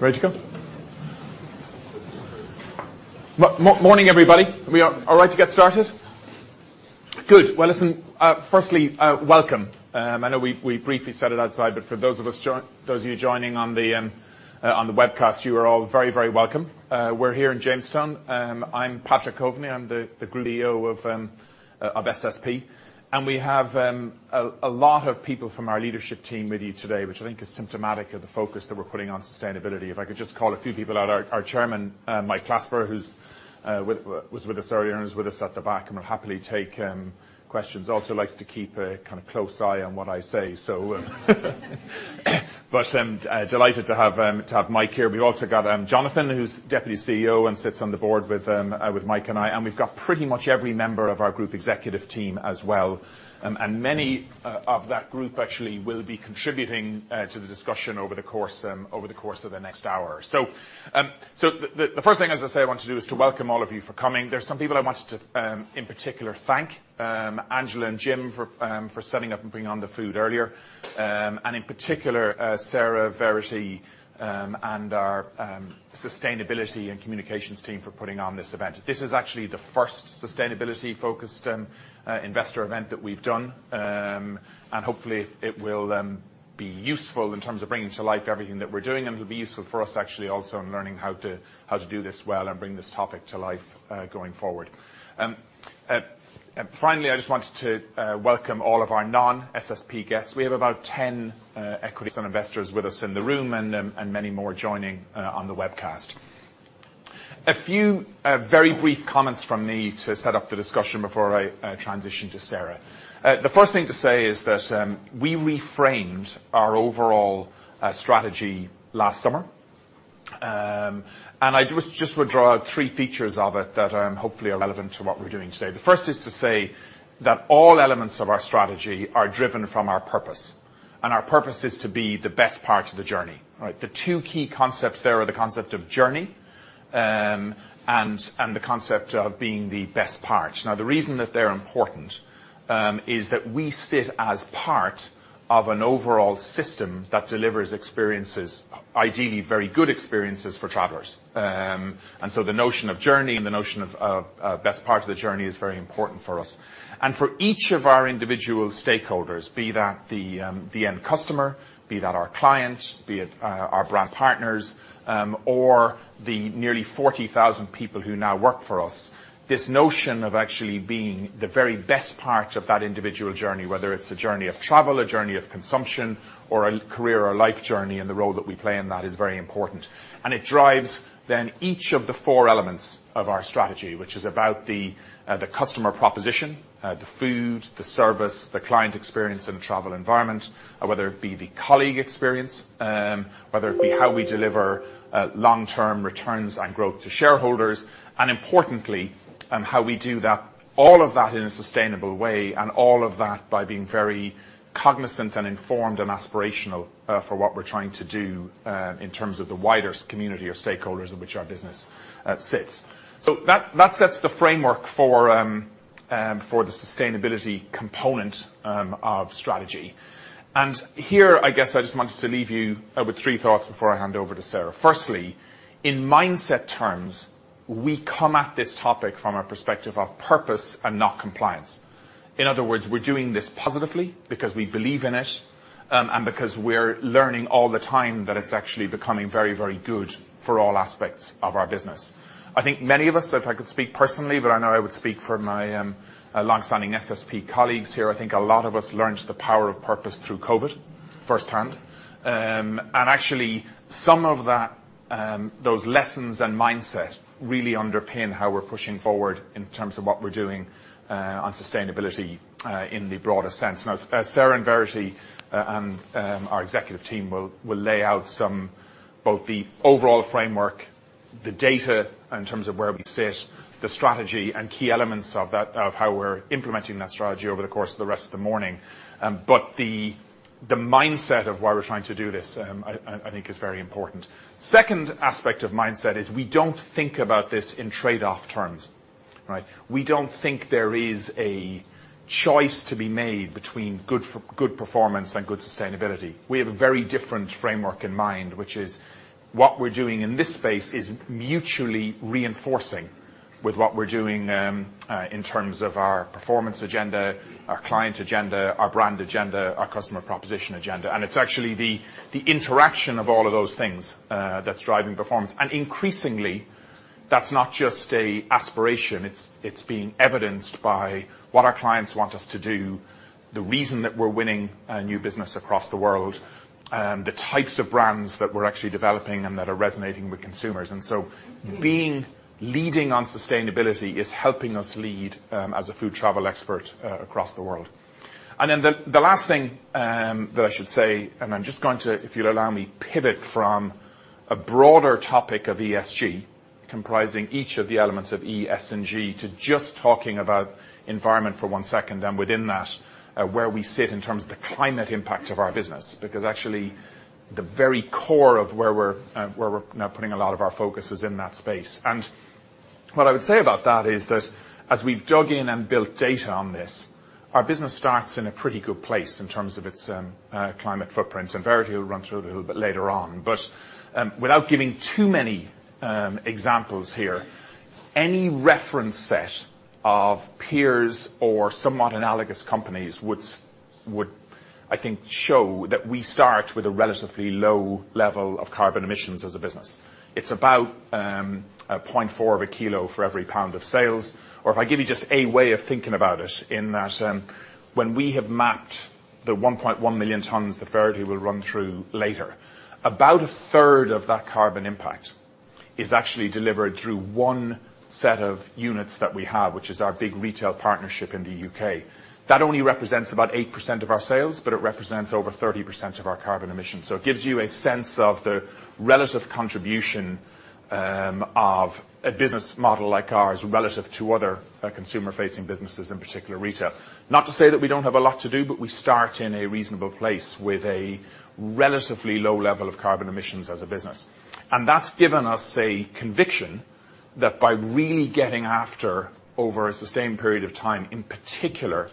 Ready to go? Morning, everybody. We are all right to get started? Good. Well, listen, firstly, welcome. I know we briefly said it outside, but for those of you joining on the webcast, you are all very, very welcome. We're here in Jamestown. I'm Patrick Coveney. I'm the Group CEO of SSP. we have a lot of people from our leadership team with you today, which I think is symptomatic of the focus that we're putting on sustainability. If I could just call a few people out. Our Chairman, Mike Clasper, who was with us earlier and is with us at the back, and will happily take questions. Also likes to keep a kind of close eye on what I say. Delighted to have Mike here. We've also got Jonathan, who's Deputy CEO and sits on the board with Mike and I. We've got pretty much every member of our group executive team as well. Many of that group actually will be contributing to the discussion over the course of the next hour. The first thing I want to say, I want to do, is to welcome all of you for coming. There's some people I wanted to in particular thank Angela and Jim for setting up and bringing on the food earlier. In particular, Sarah, Verity, and our sustainability and communications team for putting on this event. This is actually the first sustainability-focused investor event that we've done. Hopefully it will be useful in terms of bringing to life everything that we're doing, and it'll be useful for us actually also in learning how to do this well and bring this topic to life going forward. Finally, I just wanted to welcome all of our non-SSP guests. We have about 10 equities and investors with us in the room and many more joining on the webcast. A few very brief comments from me to set up the discussion before I transition to Sarah. The first thing to say is that we reframed our overall strategy last summer. I just would draw out three features of it that hopefully are relevant to what we're doing today. The first is to say that all elements of our strategy are driven from our purpose, and our purpose is to be the best part of the journey. Right? The two key concepts there are the concept of journey and the concept of being the best part. The reason that they're important is that we sit as part of an overall system that delivers experiences, ideally very good experiences for travelers. The notion of journey and the notion of best part of the journey is very important for us. For each of our individual stakeholders, be that the end customer, be that our client, be it our brand partners, or the nearly 40,000 people who now work for us, this notion of actually being the very best part of that individual journey, whether it's a journey of travel, a journey of consumption, or a career or life journey, and the role that we play in that is very important. It drives then each of the four elements of our strategy, which is about the customer proposition, the food, the service, the client experience and travel environment, whether it be the colleague experience, whether it be how we deliver long-term returns and growth to shareholders, and importantly, how we do that, all of that in a sustainable way and all of that by being very cognizant and informed and aspirational for what we're trying to do in terms of the wider community or stakeholders in which our business sits. That sets the framework for the sustainability component of strategy. Here, I guess I just wanted to leave you with three thoughts before I hand over to Sarah. Firstly, in mindset terms, we come at this topic from a perspective of purpose and not compliance. In other words, we're doing this positively because we believe in it, and because we're learning all the time that it's actually becoming very, very good for all aspects of our business. I think many of us, if I could speak personally, but I know I would speak for my longstanding SSP colleagues here, I think a lot of us learned the power of purpose through COVID firsthand. Actually some of that, those lessons and mindset really underpin how we're pushing forward in terms of what we're doing on sustainability in the broader sense. Now, as Sarah and Verity, and our executive team will lay out some, both the overall framework, the data in terms of where we sit, the strategy and key elements of that, of how we're implementing that strategy over the course of the rest of the morning. The mindset of why we're trying to do this, I think is very important. Second aspect of mindset is we don't think about this in trade-off terms, right. We don't think there is a choice to be made between good performance and good sustainability. We have a very different framework in mind, which is what we're doing in this space is mutually reinforcing with what we're doing, in terms of our performance agenda, our client agenda, our brand agenda, our customer proposition agenda. It's actually the interaction of all of those things, that's driving performance. Increasingly, that's not just a aspiration. It's being evidenced by what our clients want us to do, the reason that we're winning new business across the world, the types of brands that we're actually developing and that are resonating with consumers. Being leading on sustainability is helping us lead as a food travel expert across the world. The last thing that I should say, and I'm just going to, if you'll allow me, pivot from a broader topic of ESG, comprising each of the elements of E, S, and G, to just talking about environment for one second, and within that, where we sit in terms of the climate impact of our business. Actually, the very core of where we're now putting a lot of our focus is in that space. What I would say about that is that as we've dug in and built data on this, our business starts in a pretty good place in terms of its climate footprint, and Verity will run through it a little bit later on. Without giving too many examples here, any reference set of peers or somewhat analogous companies would, I think, show that we start with a relatively low level of carbon emissions as a business. It's about 0.4 of a kg for every GBP of sales. If I give you just a way of thinking about it in that, when we have mapped the 1.1 million tonnes that Verity will run through later, about 1/3 of that carbon impact is actually delivered through one set of units that we have, which is our big retail partnership in the U.K. That only represents about 8% of our sales, but it represents over 30% of our carbon emissions. It gives you a sense of the relative contribution of a business model like ours relative to other consumer-facing businesses, in particular retail. Not to say that we don't have a lot to do, but we start in a reasonable place with a relatively low level of carbon emissions as a business. That's given us a conviction that by really getting after over a sustained period of time, in particular,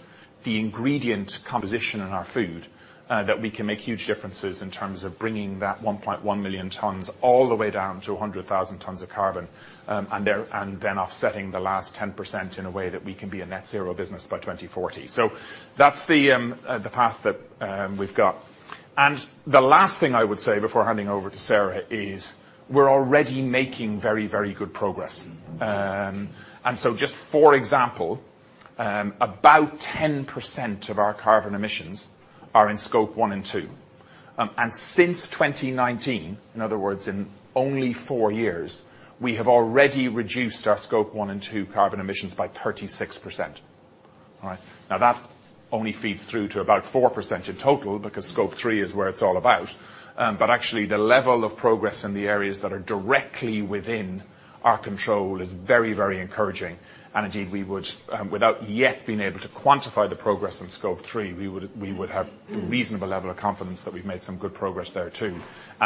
the ingredient composition in our food, that we can make huge differences in terms of bringing that 1.1 million tonnes all the way down to 100,000 tonnes of carbon, and then offsetting the last 10% in a way that we can be a net zero business by 2040. That's the path that we've got. The last thing I would say before handing over to Sarah is we're already making very, very good progress. Just for example, about 10% of our carbon emissions are in Scope 1 and 2. Since 2019, in other words in only 4 years, we have already reduced our Scope 1 and 2 carbon emissions by 36%. All right? That only feeds through to about 4% in total because Scope 3 is where it's all about. The level of progress in the areas that are directly within our control is very, very encouraging. Indeed, we would, without yet being able to quantify the progress in Scope 3, we would have reasonable level of confidence that we've made some good progress there too.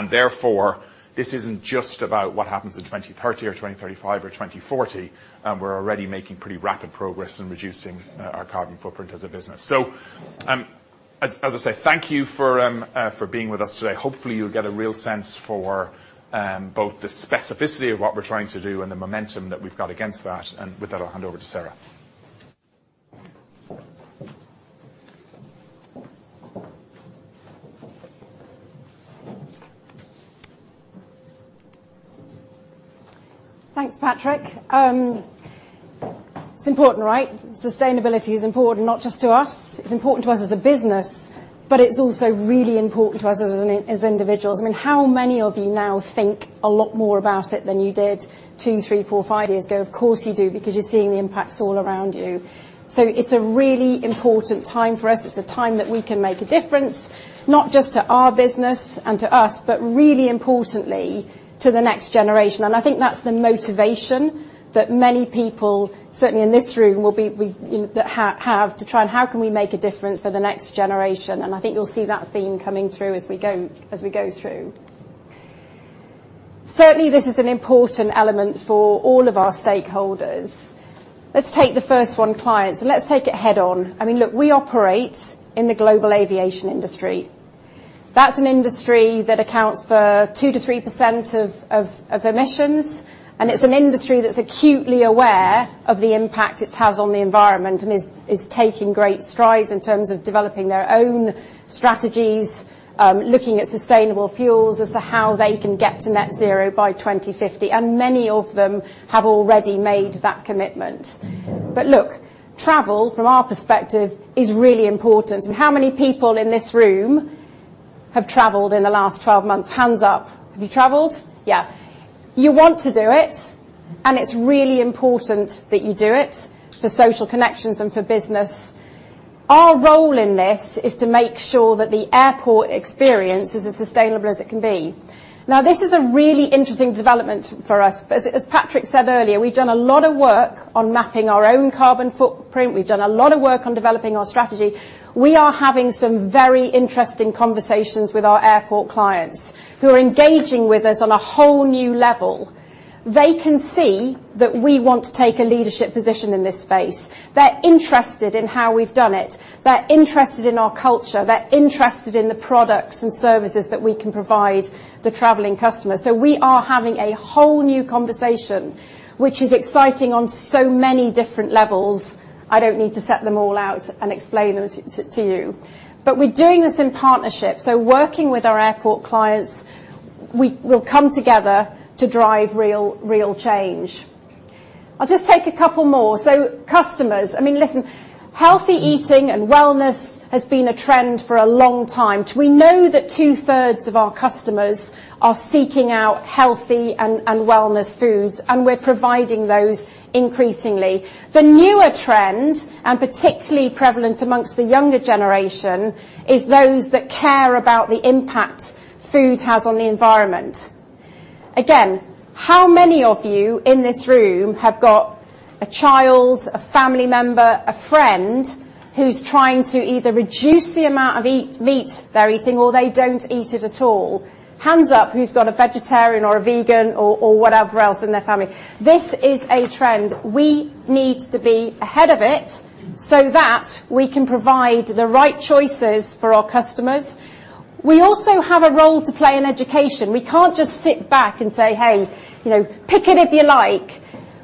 Therefore, this isn't just about what happens in 2030 or 2035 or 2040, we're already making pretty rapid progress in reducing our carbon footprint as a business. As I say, thank you for being with us today. Hopefully you'll get a real sense for both the specificity of what we're trying to do and the momentum that we've got against that. With that, I'll hand over to Sarah. Thanks, Patrick. It's important, right? Sustainability is important not just to us, it's important to us as a business, but it's also really important to us as individuals. I mean, how many of you now think a lot more about it than you did two, three, four, five years ago? Of course you do, because you're seeing the impacts all around you. It's a really important time for us. It's a time that we can make a difference, not just to our business and to us, but really importantly to the next generation. I think that's the motivation that many people, certainly in this room, will have to try and how can we make a difference for the next generation. I think you'll see that theme coming through as we go, as we go through. Certainly, this is an important element for all of our stakeholders. Let's take the first one, clients, and let's take it head on. I mean, look, we operate in the global aviation industry. That's an industry that accounts for 2%-3% of emissions, and it's an industry that's acutely aware of the impact it has on the environment and is taking great strides in terms of developing their own strategies, looking at sustainable fuels as to how they can get to net zero by 2050. Many of them have already made that commitment. Look, travel from our perspective is really important. I mean, how many people in this room have traveled in the last 12 months? Hands up. Have you traveled? Yeah. You want to do it. It's really important that you do it for social connections and for business. Our role in this is to make sure that the airport experience is as sustainable as it can be. This is a really interesting development for us. As Patrick said earlier, we've done a lot of work on mapping our own carbon footprint. We've done a lot of work on developing our strategy. We are having some very interesting conversations with our airport clients who are engaging with us on a whole new level. They can see that we want to take a leadership position in this space. They're interested in how we've done it. They're interested in our culture. They're interested in the products and services that we can provide the traveling customer. We are having a whole new conversation, which is exciting on so many different levels. I don't need to set them all out and explain them to you. We're doing this in partnership. Working with our airport clients, we will come together to drive real change. I'll just take a couple more. Customers. I mean, listen, healthy eating and wellness has been a trend for a long time. We know that 2/3 of our customers are seeking out healthy and wellness foods, and we're providing those increasingly. The newer trend, and particularly prevalent among the younger generation, is those that care about the impact food has on the environment. Again, how many of you in this room have a child, a family member, a friend who's trying to either reduce the amount of meat they're eating or they don't eat it at all. Hands up who's got a vegetarian or a vegan or whatever else in their family? This is a trend. We need to be ahead of it so that we can provide the right choices for our customers. We also have a role to play in education. We can't just sit back and say, "Hey, you know, pick it if you like."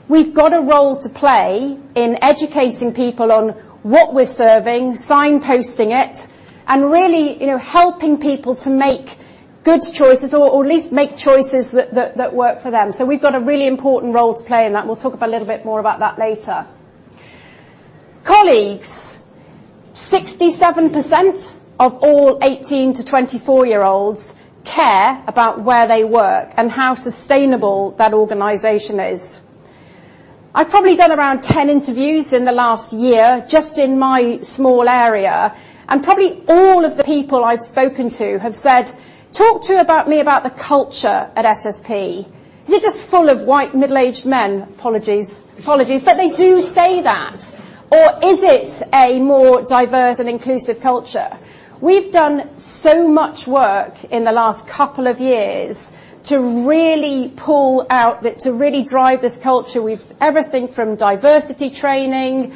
We've got a role to play in educating people on what we're serving, signposting it, and really, you know, helping people to make good choices or at least make choices that work for them. We've got a really important role to play in that. We'll talk a little bit more about that later. Colleagues. 67% of all 18-24-year-olds care about where they work and how sustainable that organization is. I've probably done around 10 interviews in the last year, just in my small area, probably all of the people I've spoken to have said, "Talk to about me about the culture at SSP. Is it just full of white middle-aged men?" Apologies. Apologies. They do say that. Is it a more diverse and inclusive culture? We've done so much work in the last couple of years to really pull out, but to really drive this culture with everything from diversity training,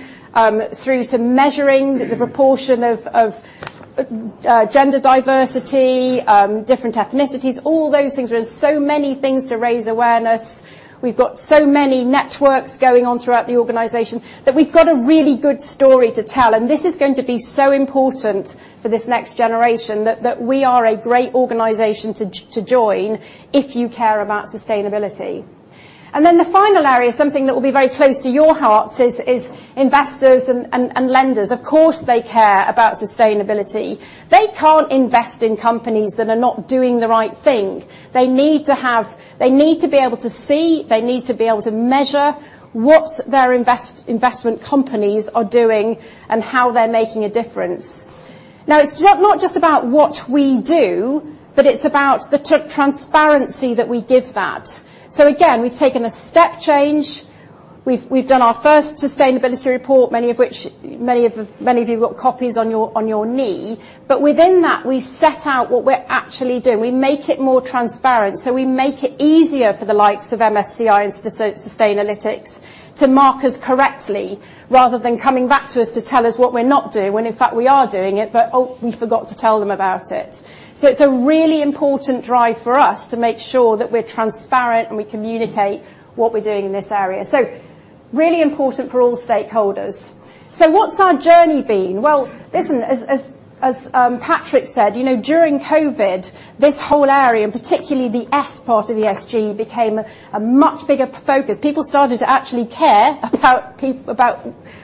through to measuring the proportion of gender diversity, different ethnicities, all those things. There are so many things to raise awareness. We've got so many networks going on throughout the organization that we've got a really good story to tell. This is going to be so important for this next generation that we are a great organization to join if you care about sustainability. Then the final area, something that will be very close to your hearts, is investors and lenders. Of course, they care about sustainability. They can't invest in companies that are not doing the right thing. They need to be able to see, they need to be able to measure what their investment companies are doing and how they're making a difference. Now, it's not just about what we do, but it's about the transparency that we give that. Again, we've taken a step change. We've done our first sustainability report, many of you got copies on your knee. Within that, we set out what we're actually doing. We make it more transparent. We make it easier for the likes of MSCI and Sustainalytics to mark us correctly rather than coming back to us to tell us what we're not doing, when in fact we are doing it, but oh, we forgot to tell them about it. It's a really important drive for us to make sure that we're transparent and we communicate what we're doing in this area. Really important for all stakeholders. What's our journey been? Well, listen, as Patrick said, you know, during COVID, this whole area, particularly the S part of the ESG, became a much bigger focus. People started to actually care about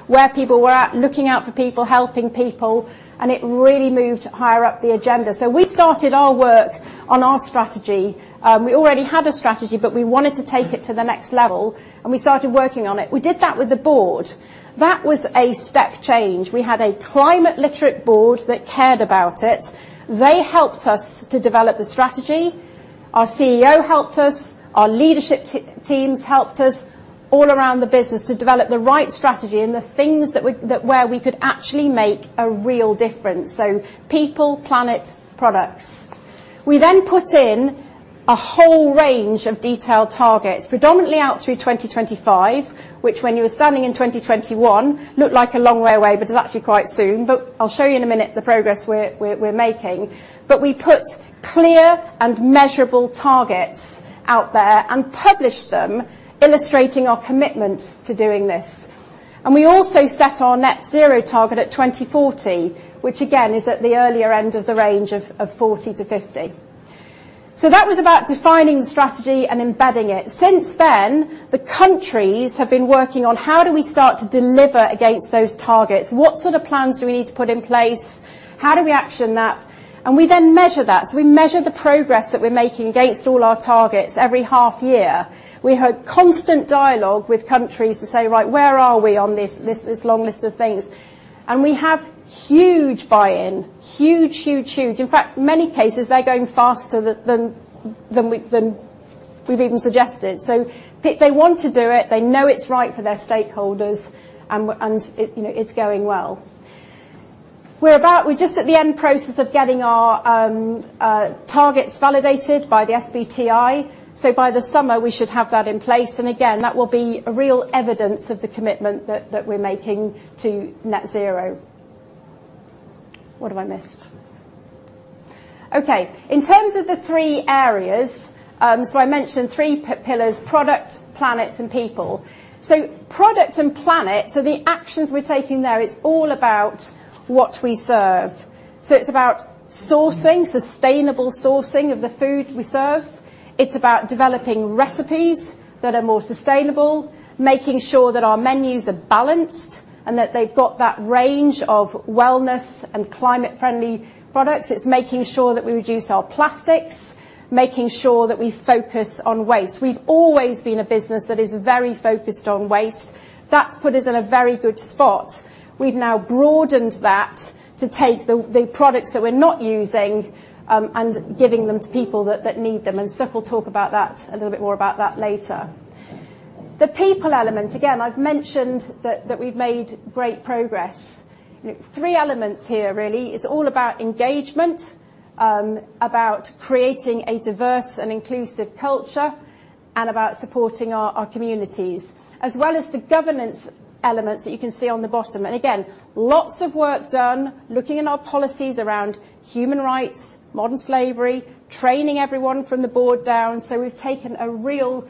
where people were at, looking out for people, helping people, and it really moved higher up the agenda. We started our work on our strategy. We already had a strategy, but we wanted to take it to the next level, and we started working on it. We did that with the board. That was a step change. We had a climate literate board that cared about it. They helped us to develop the strategy. Our CEO helped us, our leadership teams helped us all around the business to develop the right strategy and the things where we could actually make a real difference. People, planet, products. We put in a whole range of detailed targets, predominantly out through 2025, which when you were standing in 2021, looked like a long way away, but is actually quite soon. I'll show you in a minute the progress we're making. We put clear and measurable targets out there and published them, illustrating our commitment to doing this. We also set our net zero target at 2040, which again, is at the earlier end of the range of 40-50. That was about defining the strategy and embedding it. Since then, the countries have been working on how do we start to deliver against those targets? What sort of plans do we need to put in place? How do we action that? We then measure that. We measure the progress that we're making against all our targets every half year. We have constant dialogue with countries to say, "Right, where are we on this long list of things?" We have huge buy in. Huge. In fact, many cases, they're going faster than we've even suggested. They want to do it, they know it's right for their stakeholders, and, you know, it's going well. We're just at the end process of getting our targets validated by the SBTi. By the summer, we should have that in place. Again, that will be a real evidence of the commitment that we're making to net zero. What have I missed? Okay. In terms of the three areas, I mentioned three pillars: product, planet, and people. Product and planet, the actions we're taking there is all about what we serve. It's about sourcing, sustainable sourcing of the food we serve. It's about developing recipes that are more sustainable, making sure that our menus are balanced and that they've got that range of wellness and climate friendly products. It's making sure that we reduce our plastics, making sure that we focus on waste. We've always been a business that is very focused on waste. That's put us in a very good spot. We've now broadened that to take the products that we're not using, and giving them to people that need them. Steph will talk about a little bit more about that later. The people element, again, I've mentioned that we've made great progress. You know, three elements here really. It's all about engagement, about creating a diverse and inclusive culture, and about supporting our communities. As well as the governance elements that you can see on the bottom. Again, lots of work done looking in our policies around human rights, modern slavery, training everyone from the board down, so we've taken a real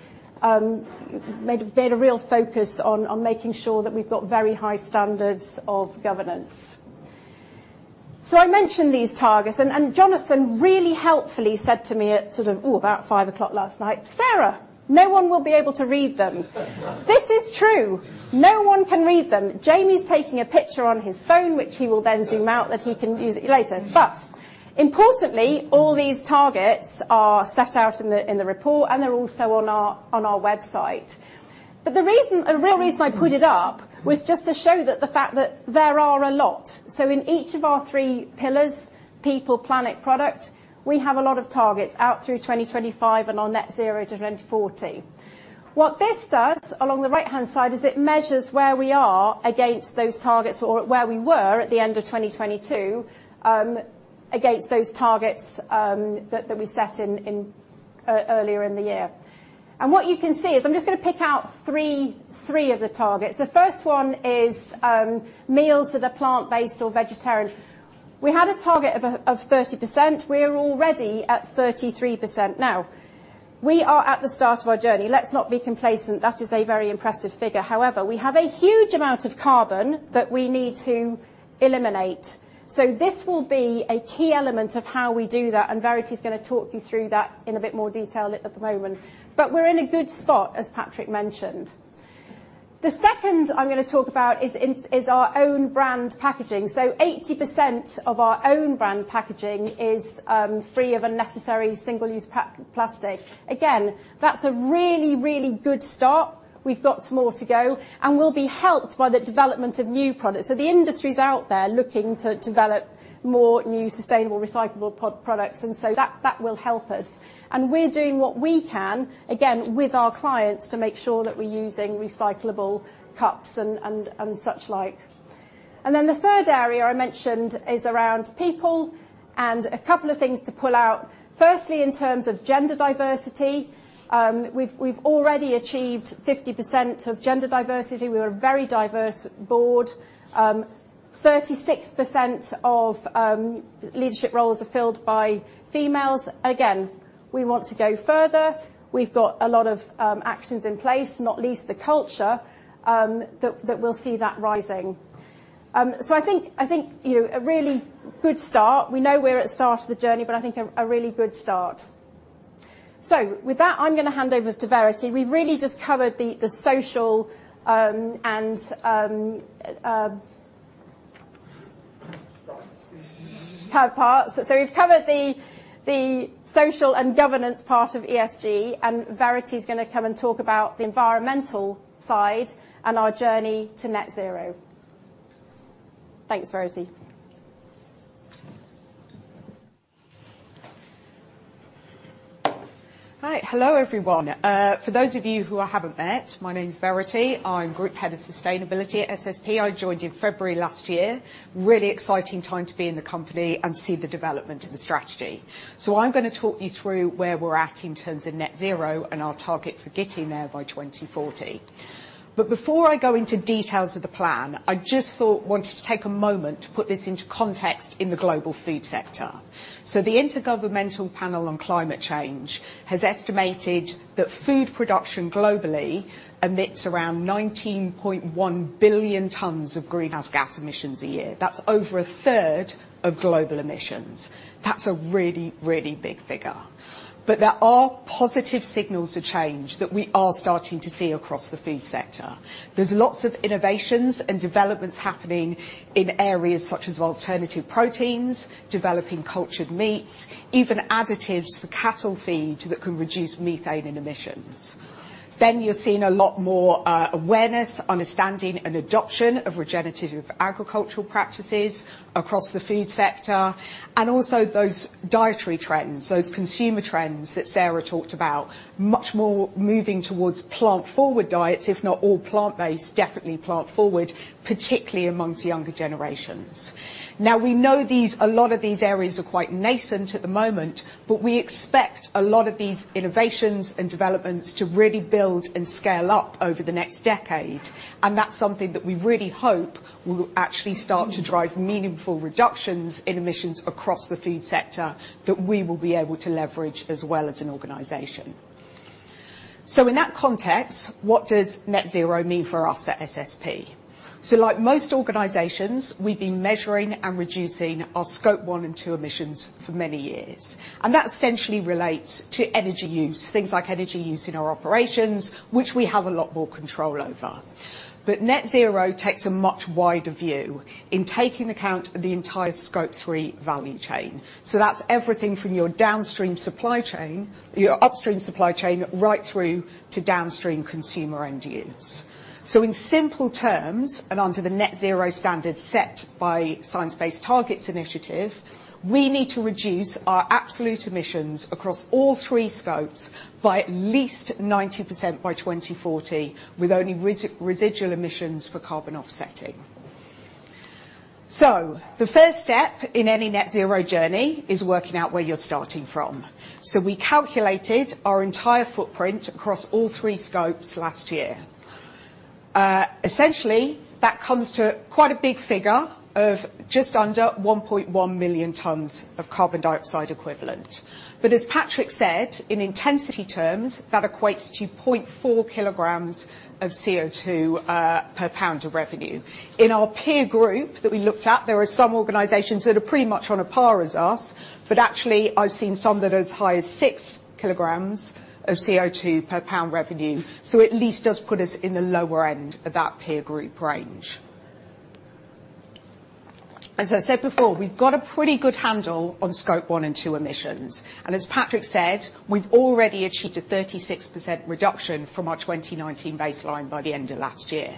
made a real focus on making sure that we've got very high standards of governance. I mentioned these targets and Jonathan really helpfully said to me at sort of about 5:00 last night, "Sarah, no one will be able to read them." This is true. No one can read them. Jamie's taking a picture on his phone, which he will then zoom out that he can use it later. Importantly, all these targets are set out in the report and they're also on our website. The reason, the real reason I put it up was just to show that the fact that there are a lot. In each of our three pillars, people, planet, product, we have a lot of targets out through 2025 and our net zero to 2040. What this does, along the right-hand side, is it measures where we are against those targets or where we were at the end of 2022 against those targets that we set earlier in the year. What you can see is I'm just gonna pick out three of the targets. The first one is meals that are plant-based or vegetarian. We had a target of 30%. We're already at 33%. We are at the start of our journey. Let's not be complacent. That is a very impressive figure. However, we have a huge amount of carbon that we need to eliminate, so this will be a key element of how we do that, and Verity's gonna talk you through that in a bit more detail at the moment. We're in a good spot, as Patrick mentioned. The second I'm gonna talk about is our own brand packaging. 80% of our own brand packaging is free of unnecessary single-use plastic. Again, that's a really good start. We've got more to go, and we'll be helped by the development of new products. The industry's out there looking to develop more new sustainable recyclable products, and so that will help us. We're doing what we can, again, with our clients to make sure that we're using recyclable cups and such like. The third area I mentioned is around people. A couple of things to pull out. Firstly, in terms of gender diversity, we've already achieved 50% of gender diversity. We're a very diverse board. 36% of leadership roles are filled by females. Again, we want to go further. We've got a lot of actions in place, not least the culture that we'll see that rising. I think, you know, a really good start. We know we're at the start of the journey, but I think a really good start. With that, I'm gonna hand over to Verity. We've really just covered the social and we've covered the social and governance part of ESG, and Verity's gonna come and talk about the environmental side and our journey to net zero. Thanks, Rosie. Hi. Hello, everyone. For those of you who I haven't met, my name's Verity. I'm Group Head of Sustainability at SSP. I joined in February last year. Really exciting time to be in the company and see the development of the strategy. I'm gonna talk you through where we're at in terms of net zero and our target for getting there by 2040. Before I go into details of the plan, I just thought wanted to take a moment to put this into context in the global food sector. The Intergovernmental Panel on Climate Change has estimated that food production globally emits around 19.1 billion tons of greenhouse gas emissions a year. That's over 1/3 of global emissions. That's a really, really big figure. There are positive signals to change that we are starting to see across the food sector. There's lots of innovations and developments happening in areas such as alternative proteins, developing cultured meats, even additives for cattle feed that can reduce methane in emissions. You're seeing a lot more awareness, understanding, and adoption of regenerative agricultural practices across the food sector, and also those dietary trends, those consumer trends that Sarah talked about, much more moving towards plant-forward diets, if not all plant-based, definitely plant-forward, particularly amongst younger generations. We know a lot of these areas are quite nascent at the moment, but we expect a lot of these innovations and developments to really build and scale up over the next decade, and that's something that we really hope will actually start to drive meaningful reductions in emissions across the food sector that we will be able to leverage as well as an organization. In that context, what does net zero mean for us at SSP? Like most organizations, we've been measuring and reducing our Scope 1 and 2 emissions for many years, and that essentially relates to energy use, things like energy use in our operations, which we have a lot more control over. Net zero takes a much wider view in taking account of the entire Scope 3 value chain. That's everything from your downstream supply chain, your upstream supply chain, right through to downstream consumer end use. In simple terms, and under the net zero standards set by Science Based Targets initiative, we need to reduce our absolute emissions across all three scopes by at least 90% by 2040, with only residual emissions for carbon offsetting. The first step in any net zero journey is working out where you're starting from. We calculated our entire footprint across all 3 scopes last year. Essentially, that comes to quite a big figure of just under 1.1 million tons of carbon dioxide equivalent. As Patrick said, in intensity terms, that equates to 0.4 kg of CO2 per GBP of revenue. In our peer group that we looked at, there are some organizations that are pretty much on a par as us, but actually I've seen some that are as high as 6 kg of CO2 per GBP of revenue. It at least does put us in the lower end of that peer group range. As I said before, we've got a pretty good handle on Scope 1 and 2 emissions, and as Patrick said, we've already achieved a 36% reduction from our 2019 baseline by the end of last year.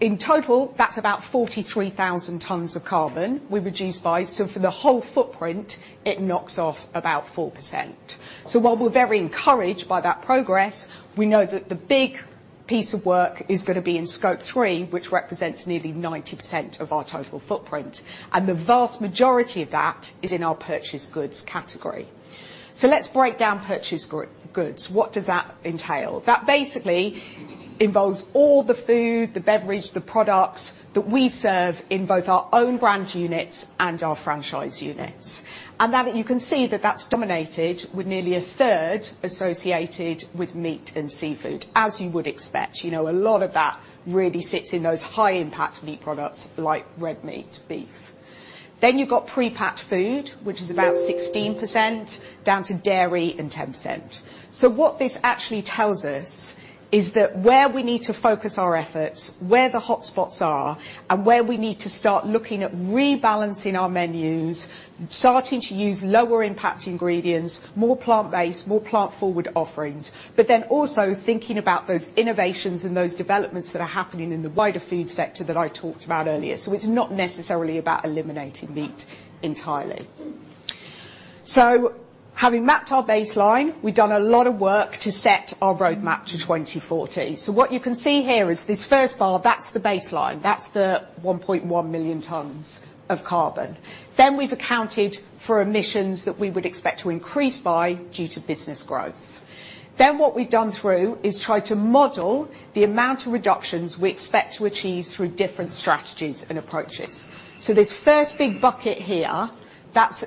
In total, that's about 43,000 tons of carbon we reduced by. For the whole footprint, it knocks off about 4%. While we're very encouraged by that progress, we know that the big piece of work is gonna be in Scope 3, which represents nearly 90% of our total footprint, and the vast majority of that is in our purchased goods category. Let's break down purchased goods. What does that entail? That basically involves all the food, the beverage, the products that we serve in both our own brand units and our franchise units. That you can see that that's dominated with nearly 1/3 associated with meat and seafood, as you would expect. You know, a lot of that really sits in those high impact meat products like red meat, beef. You've got pre-packed food, which is about 16%, down to dairy and 10%. What this actually tells us is that where we need to focus our efforts, where the hotspots are, and where we need to start looking at rebalancing our menus, starting to use lower impact ingredients, more plant-based, more plant-forward offerings, but then also thinking about those innovations and those developments that are happening in the wider food sector that I talked about earlier. It's not necessarily about eliminating meat entirely. Having mapped our baseline, we've done a lot of work to set our roadmap to 2040. What you can see here is this first bar, that's the baseline. That's the 1.1 million tons of carbon. Then we've accounted for emissions that we would expect to increase by due to business growth. What we've done through is try to model the amount of reductions we expect to achieve through different strategies and approaches. This first big bucket here, that's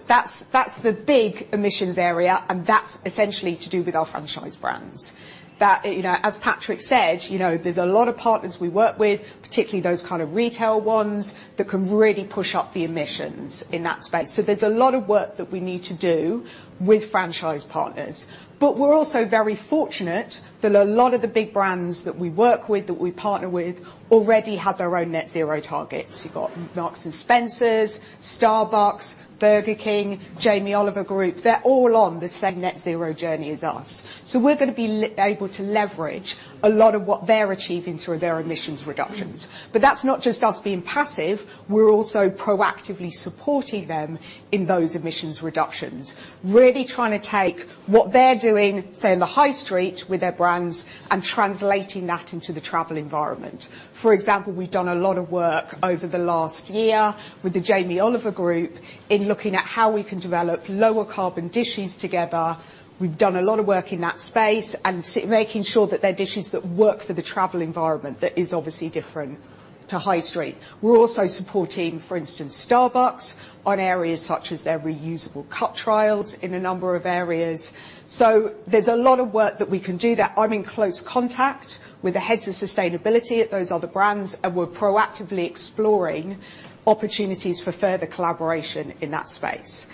the big emissions area, and that's essentially to do with our franchise brands. That, you know, as Patrick said, you know, there's a lot of partners we work with, particularly those kind of retail ones that can really push up the emissions in that space. There's a lot of work that we need to do with franchise partners. We're also very fortunate that a lot of the big brands that we work with, that we partner with already have their own net zero targets. You've got Marks & Spencer, Starbucks, Burger King, Jamie Oliver Group, they're all on the same net zero journey as us. We're gonna be able to leverage a lot of what they're achieving through their emissions reductions. That's not just us being passive, we're also proactively supporting them in those emissions reductions. Really trying to take what they're doing, say in the High Street with their brands, and translating that into the travel environment. For example, we've done a lot of work over the last year with the Jamie Oliver Group in looking at how we can develop lower carbon dishes together. We've done a lot of work in that space and making sure that they're dishes that work for the travel environment that is obviously different to High Street. We're also supporting, for instance, Starbucks on areas such as their reusable cup trials in a number of areas. There's a lot of work that we can do that I'm in close contact with the heads of sustainability at those other brands, and we're proactively exploring opportunities for further collaboration in that space.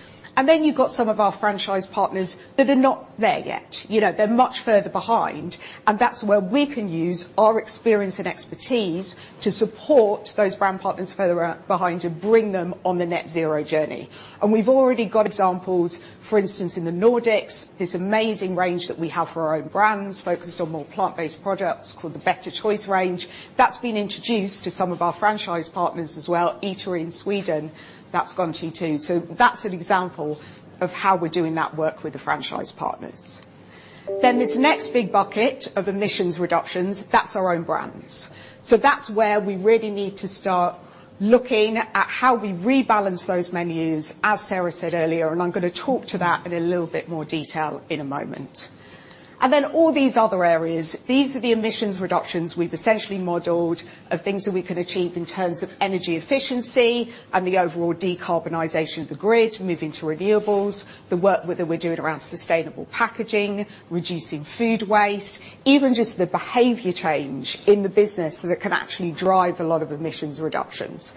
You've got some of our franchise partners that are not there yet. You know, they're much further behind, and that's where we can use our experience and expertise to support those brand partners further out behind to bring them on the net zero journey. We've already got examples, for instance, in the Nordics, this amazing range that we have for our own brands focused on more plant-based products called the Better Choice Range. That's been introduced to some of our franchise partners as well. Eatery in Sweden, that's gone to too. That's an example of how we're doing that work with the franchise partners. This next big bucket of emissions reductions, that's our own brands. That's where we really need to start looking at how we rebalance those menus, as Sarah said earlier, and I'm gonna talk to that in a little bit more detail in a moment. All these other areas, these are the emissions reductions we've essentially modeled of things that we can achieve in terms of energy efficiency and the overall decarbonization of the grid, moving to renewables, the work that we're doing around sustainable packaging, reducing food waste, even just the behavior change in the business that can actually drive a lot of emissions reductions.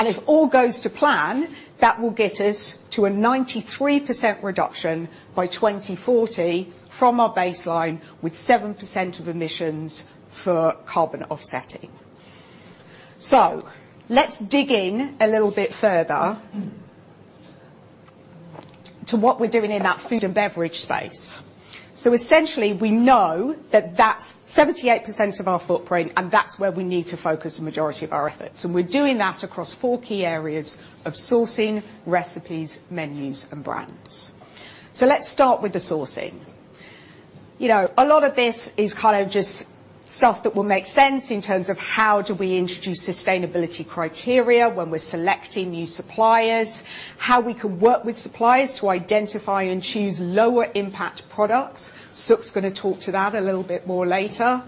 If all goes to plan, that will get us to a 93% reduction by 2040 from our baseline with 7% of emissions for carbon offsetting. Let's dig in a little bit further to what we're doing in that food and beverage space. Essentially, we know that that's 78% of our footprint, and that's where we need to focus the majority of our efforts. We're doing that across four key areas of sourcing, recipes, menus, and brands. Let's start with the sourcing. You know, a lot of this is kind of just stuff that will make sense in terms of how do we introduce sustainability criteria when we're selecting new suppliers, how we can work with suppliers to identify and choose lower impact products. Sukh's gonna talk to that a little bit more later.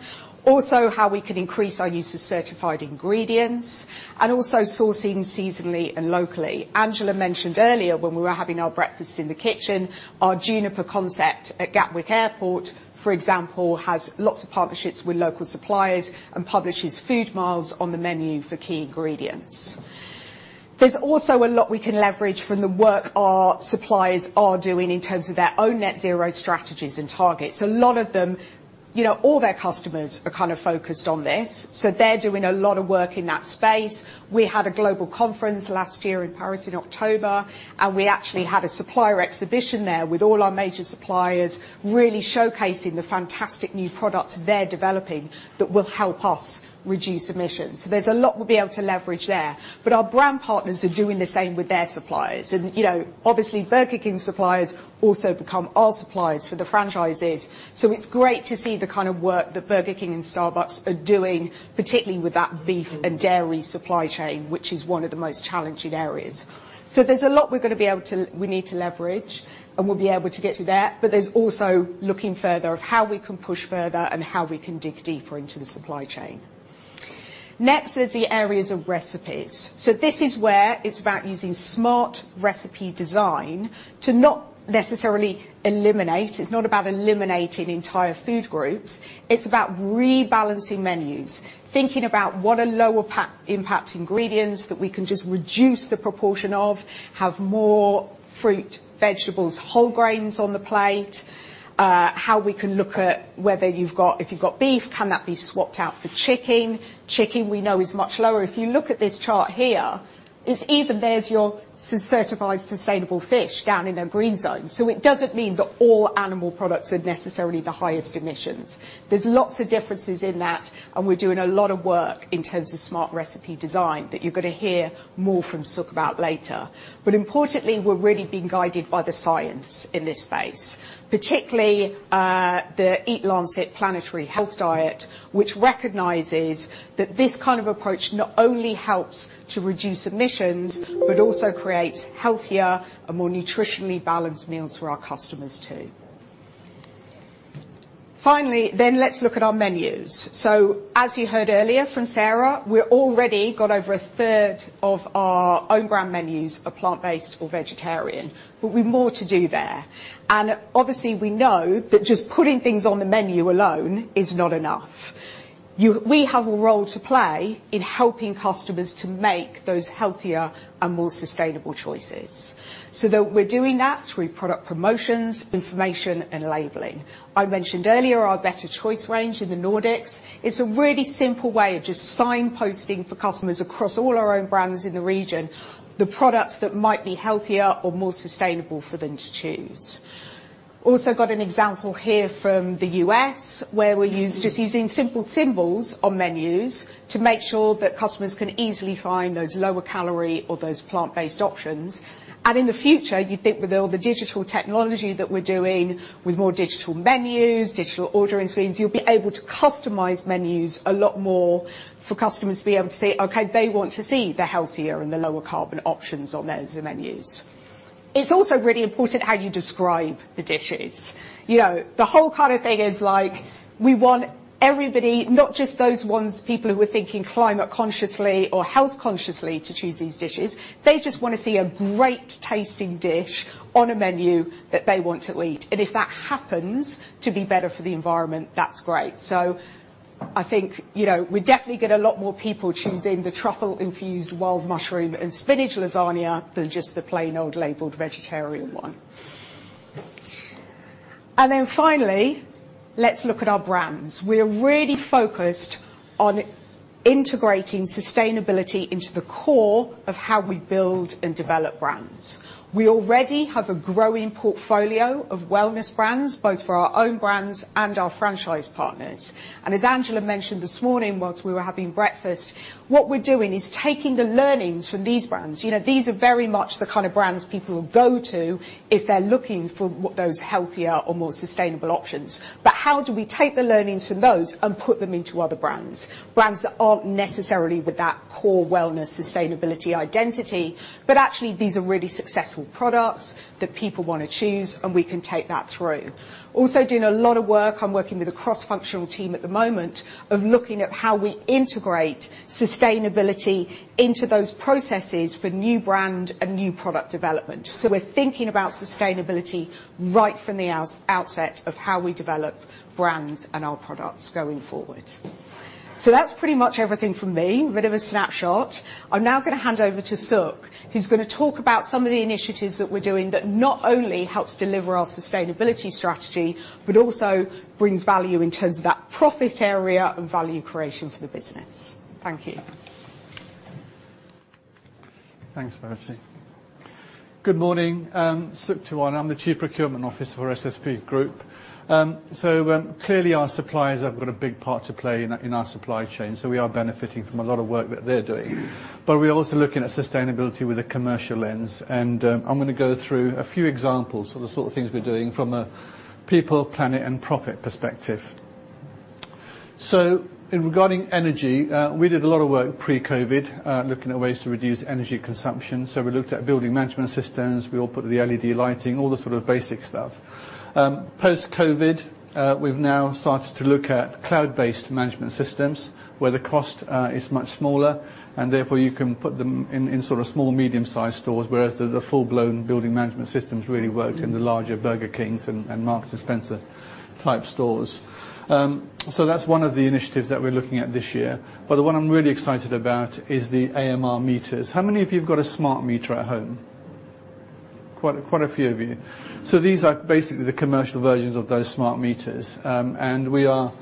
Also, how we can increase our use of certified ingredients, and also sourcing seasonally and locally. Angela mentioned earlier when we were having our breakfast in the kitchen, our Juniper concept at Gatwick Airport, for example, has lots of partnerships with local suppliers and publishes food miles on the menu for key ingredients. There's also a lot we can leverage from the work our suppliers are doing in terms of their own net zero strategies and targets. A lot of them, you know, all their customers are kind of focused on this, so they're doing a lot of work in that space. We had a global conference last year in Paris in October, and we actually had a supplier exhibition there with all our major suppliers really showcasing the fantastic new products they're developing that will help us reduce emissions. There's a lot we'll be able to leverage there. Our brand partners are doing the same with their suppliers and, you know, obviously Burger King suppliers also become our suppliers for the franchises. It's great to see the kind of work that Burger King and Starbucks are doing, particularly with that beef and dairy supply chain, which is one of the most challenging areas. There's a lot we're going to need to leverage, and we'll be able to get to there, but there's also looking further of how we can push further and how we can dig deeper into the supply chain. Next is the areas of recipes. This is where it's about using smart recipe design to not necessarily eliminate. It's not about eliminating entire food groups. It's about rebalancing menus, thinking about what are lower impact ingredients that we can just reduce the proportion of, have more fruit, vegetables, whole grains on the plate, how we can look at if you've got beef, can that be swapped out for chicken? Chicken we know is much lower. If you look at this chart here, it's even there's your certified sustainable fish down in the green zone. It doesn't mean that all animal products are necessarily the highest emissions. There's lots of differences in that, we're doing a lot of work in terms of smart recipe design that you're gonna hear more from Sukh about later. Importantly, we're really being guided by the science in this space, particularly the EAT-Lancet Planetary Health Diet, which recognizes that this kind of approach not only helps to reduce emissions, but also creates healthier and more nutritionally balanced meals for our customers too. Let's look at our menus. As you heard earlier from Sarah, we're already got over 1/3 of our own brand menus are plant-based or vegetarian, we've more to do there. Obviously we know that just putting things on the menu alone is not enough. We have a role to play in helping customers to make those healthier and more sustainable choices. That we're doing that through product promotions, information and labeling. I mentioned earlier our Better Choice Range in the Nordics. It's a really simple way of just signposting for customers across all our own brands in the region, the products that might be healthier or more sustainable for them to choose. Got an example here from the U.S. where we're just using simple symbols on menus to make sure that customers can easily find those lower calorie or those plant-based options. In the future, you'd think with all the digital technology that we're doing with more digital menus, digital ordering screens, you'll be able to customize menus a lot more for customers to be able to say, okay, they want to see the healthier and the lower carbon options on the menus. It's also really important how you describe the dishes. You know, the whole kind of thing is like we want everybody, not just those ones, people who are thinking climate consciously or health consciously to choose these dishes. They just want to see a great tasting dish on a menu that they want to eat. If that happens to be better for the environment, that's great. I think, you know, we definitely get a lot more people choosing the truffle infused wild mushroom and spinach lasagna than just the plain old labeled vegetarian one. Finally, let's look at our brands. We are really focused on integrating sustainability into the core of how we build and develop brands. We already have a growing portfolio of wellness brands, both for our own brands and our franchise partners. As Angela mentioned this morning whilst we were having breakfast, what we're doing is taking the learnings from these brands. You know, these are very much the kind of brands people will go to if they're looking for what those healthier or more sustainable options. How do we take the learnings from those and put them into other brands that aren't necessarily with that core wellness, sustainability identity, but actually these are really successful products that people wanna choose, and we can take that through. Also, doing a lot of work, I'm working with a cross-functional team at the moment of looking at how we integrate sustainability into those processes for new brand and new product development. We are thinking about sustainability right from the outset of how we develop brands and our products going forward. That's pretty much everything from me. Bit of a snapshot. I'm now gonna hand over to Sukh, who's gonna talk about some of the initiatives that we're doing that not only helps deliver our sustainability strategy, but also brings value in terms of that profit area and value creation for the business. Thank you. Thanks, Verity. Good morning. I'm Sukh Tiwana, I'm the Chief Procurement Officer for SSP Group. Clearly our suppliers have got a big part to play in our supply chain, so we are benefiting from a lot of work that they're doing. We are also looking at sustainability with a commercial lens, and I'm gonna go through a few examples of the sort of things we're doing from a people, planet, and profit perspective. In regarding energy, we did a lot of work pre-COVID, looking at ways to reduce energy consumption. We looked at building management systems. We all put the LED lighting, all the sort of basic stuff. Post-COVID, we've now started to look at cloud-based management systems where the cost is much smaller and therefore you can put them in sort of small medium-sized stores, whereas the full-blown building management systems really worked in the larger Burger Kings and Marks & Spencer type stores. That's one of the initiatives that we're looking at this year. The one I'm really excited about is the AMR meters. How many of you have got a smart meter at home? Quite a few of you. These are basically the commercial versions of those smart meters. We are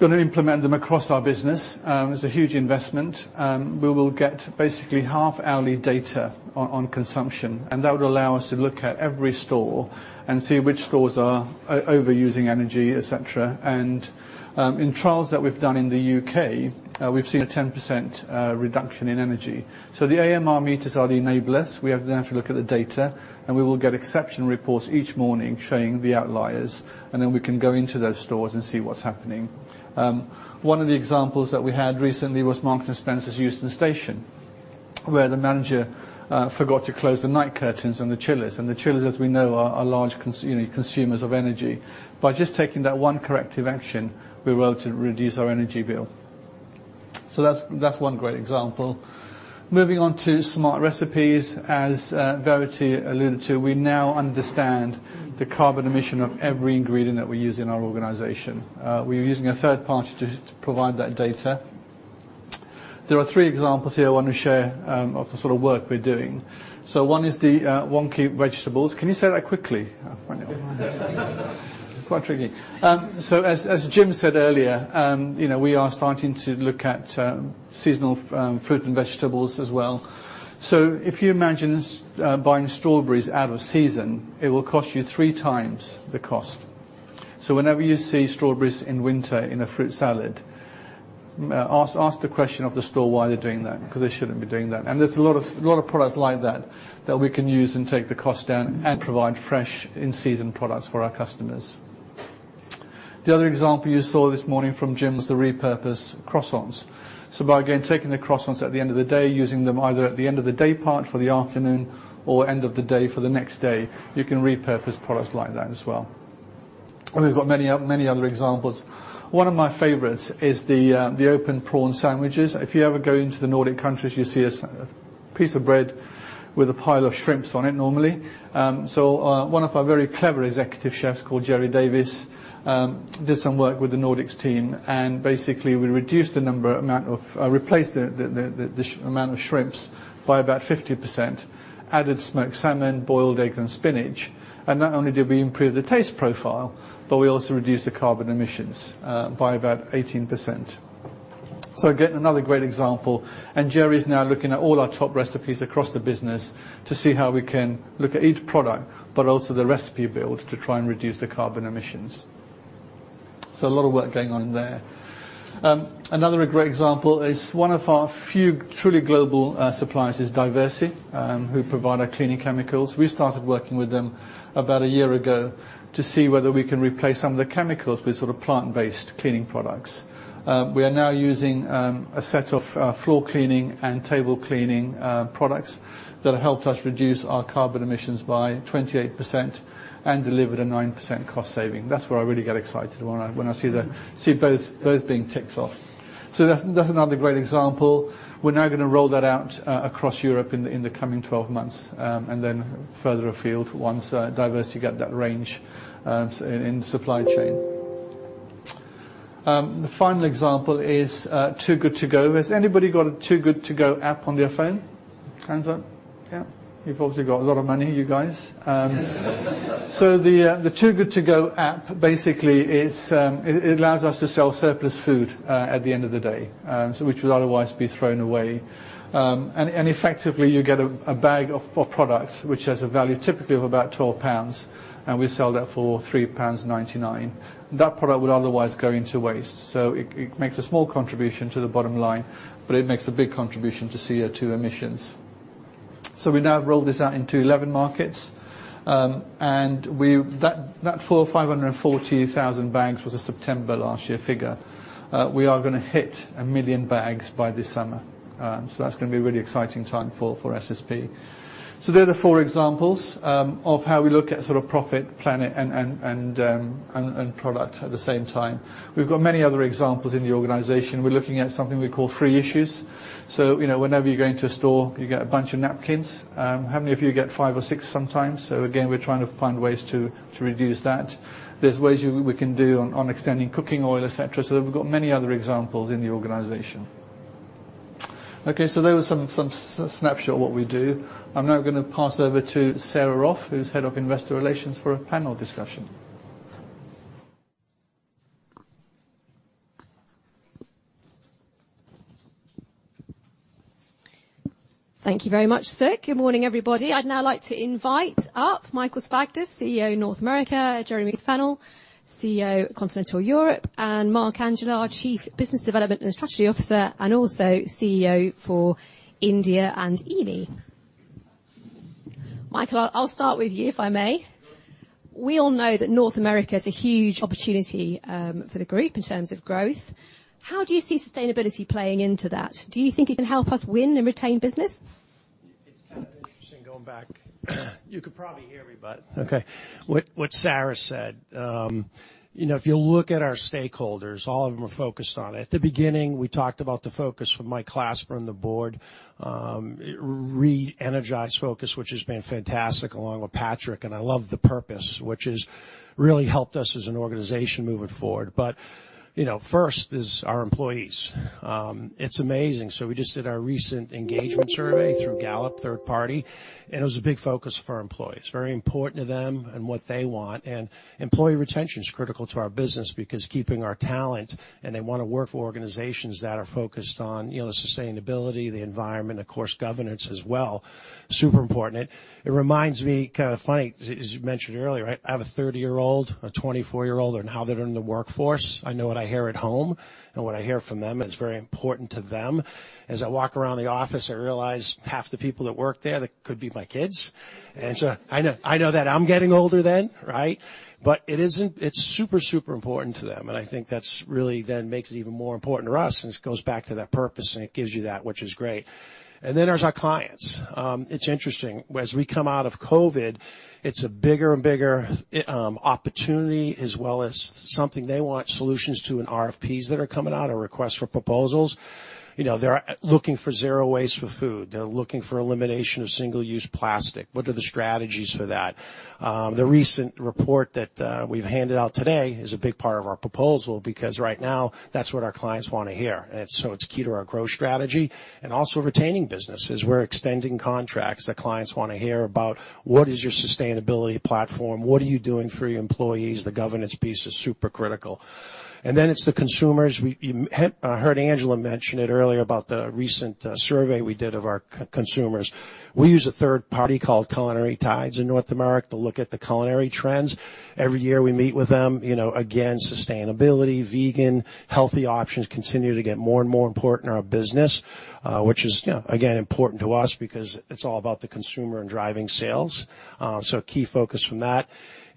gonna implement them across our business. It's a huge investment, and we will get basically half-hourly data on consumption, and that would allow us to look at every store and see which stores are overusing energy, et cetera. In trials that we've done in the U.K., we've seen a 10% reduction in energy. The AMR meters are the enablers. We then have to look at the data, we will get exception reports each morning showing the outliers, then we can go into those stores and see what's happening. One of the examples that we had recently was Marks & Spencer's Euston station, where the manager forgot to close the night curtains and the chillers. The chillers, as we know, are large you know, consumers of energy. By just taking that one corrective action, we were able to reduce our energy bill. That's one great example. Moving on to smart recipes. As Verity alluded to, we now understand the carbon emission of every ingredient that we use in our organization. We're using a third party to provide that data. There are three examples here I want to share of the sort of work we're doing. One is the wonky vegetables. Can you say that quickly? I find it quite tricky. As Jim said earlier, you know, we are starting to look at seasonal fruit and vegetables as well. If you imagine buying strawberries out of season, it will cost you 3x the cost. Whenever you see strawberries in winter in a fruit salad, ask the question of the store why they're doing that, because they shouldn't be doing that. There's a lot of products like that that we can use and take the cost down and provide fresh in-season products for our customers. The other example you saw this morning from Jim was the repurposed croissants. By, again, taking the croissants at the end of the day, using them either at the end of the day part for the afternoon or end of the day for the next day, you can repurpose products like that as well. We've got many other examples. One of my favorites is the open prawn sandwiches. If you ever go into the Nordic countries, you see a piece of bread with a pile of shrimps on it normally. One of our very clever executive chefs called Jerry Davies did some work with the Nordics team. Basically we reduced the number, amount of, replaced the amount of shrimps by about 50%, added smoked salmon, boiled egg, and spinach. Not only did we improve the taste profile, but we also reduced the carbon emissions by about 18%. Again, another great example, and Jerry's now looking at all our top recipes across the business to see how we can look at each product, but also the recipe build to try and reduce the carbon emissions. A lot of work going on there. Another great example is one of our few truly global suppliers is Diversey, who provide our cleaning chemicals. We started working with them about a year ago to see whether we can replace some of the chemicals with sort of plant-based cleaning products. We are now using a set of floor cleaning and table cleaning products that have helped us reduce our carbon emissions by 28% and delivered a 9% cost saving. That's where I really get excited when I see both being ticked off. That's another great example. We're now gonna roll that out across Europe in the coming 12 months, and then further afield once Diversey get that range in supply chain. The final example is Too Good To Go. Has anybody got a Too Good To Go app on their phone? Hands up. Yeah. You've obviously got a lot of money, you guys. The Too Good To Go app basically is, it allows us to sell surplus food at the end of the day, which would otherwise be thrown away. Effectively you get a bag of products which has a value typically of about 12 pounds, and we sell that for 3.99 pounds. That product would otherwise go into waste. It makes a small contribution to the bottom line, but it makes a big contribution to CO2 emissions. We now have rolled this out into 11 markets, and we that 440,000 bags was a September last year figure. We are gonna hit 1 million bags by this summer. That's gonna be a really exciting time for SSP. There are the four examples of how we look at sort of profit planet and product at the same time. We've got many other examples in the organization. We're looking at something we call free issues. You know, whenever you go into a store, you get a bunch of napkins. How many of you get five or six sometimes? Again, we're trying to find ways to reduce that. There's ways we can do on extending cooking oil, et cetera. We've got many other examples in the organization. There was some snapshot of what we do. I'm now gonna pass over to Sarah Roff, Head of Investor Relations, for a panel discussion. Thank you very much, Sukh. Good morning, everybody. I'd now like to invite up Michael Svagdis, CEO, North America, Jeremy Fennell, CEO, Continental Europe, and Mark Angela, our Chief Business Development and Strategy Officer, and also CEO for India and EEME. Michael, I'll start with you, if I may. We all know that North America is a huge opportunity for the group in terms of growth. How do you see sustainability playing into that? Do you think it can help us win and retain business? It's kind of interesting going back. You could probably hear me, but okay. What Sarah said. You know if you look at our stakeholders, all of them are focused on it. At the beginning, we talked about the focus from Mike Clasper and the board. Re-energized focus, which has been fantastic, along with Patrick. I love the purpose, which has really helped us as an organization moving forward. You know, first is our employees. It's amazing. We just did our recent engagement survey through Gallup third-party, and it was a big focus for our employees, very important to them and what they want. Employee retention is critical to our business because keeping our talent, and they wanna work for organizations that are focused on, you know, sustainability, the environment, of course, governance as well, super important. It reminds me, kind of funny, as you mentioned earlier, right? I have a 30-year-old, a 24-year-old, and how they're in the workforce. I know what I hear at home and what I hear from them, and it's very important to them. As I walk around the office, I realize half the people that work there, they could be my kids. I know that I'm getting older then, right? It isn't. It's super important to them, and I think that's really then makes it even more important to us, and it goes back to that purpose and it gives you that, which is great. There's our clients. It's interesting. As we come out of COVID, it's a bigger and bigger opportunity as well as something they want solutions to in RFPs that are coming out, or request for proposals. You know, they're looking for zero waste for food. They're looking for elimination of single-use plastic. What are the strategies for that? The recent report that we've handed out today is a big part of our proposal because right now that's what our clients wanna hear. It's key to our growth strategy and also retaining business, is we're extending contracts that clients wanna hear about what is your sustainability platform, what are you doing for your employees? The governance piece is super critical. It's the consumers. You heard Angela mention it earlier about the recent survey we did of our consumers. We use 1/3 party called Culinary Tides in North America to look at the culinary trends. Every year we meet with them. You know, again, sustainability, vegan, healthy options continue to get more and more important in our business, which is, you know, again, important to us because it's all about the consumer and driving sales. Key focus from that.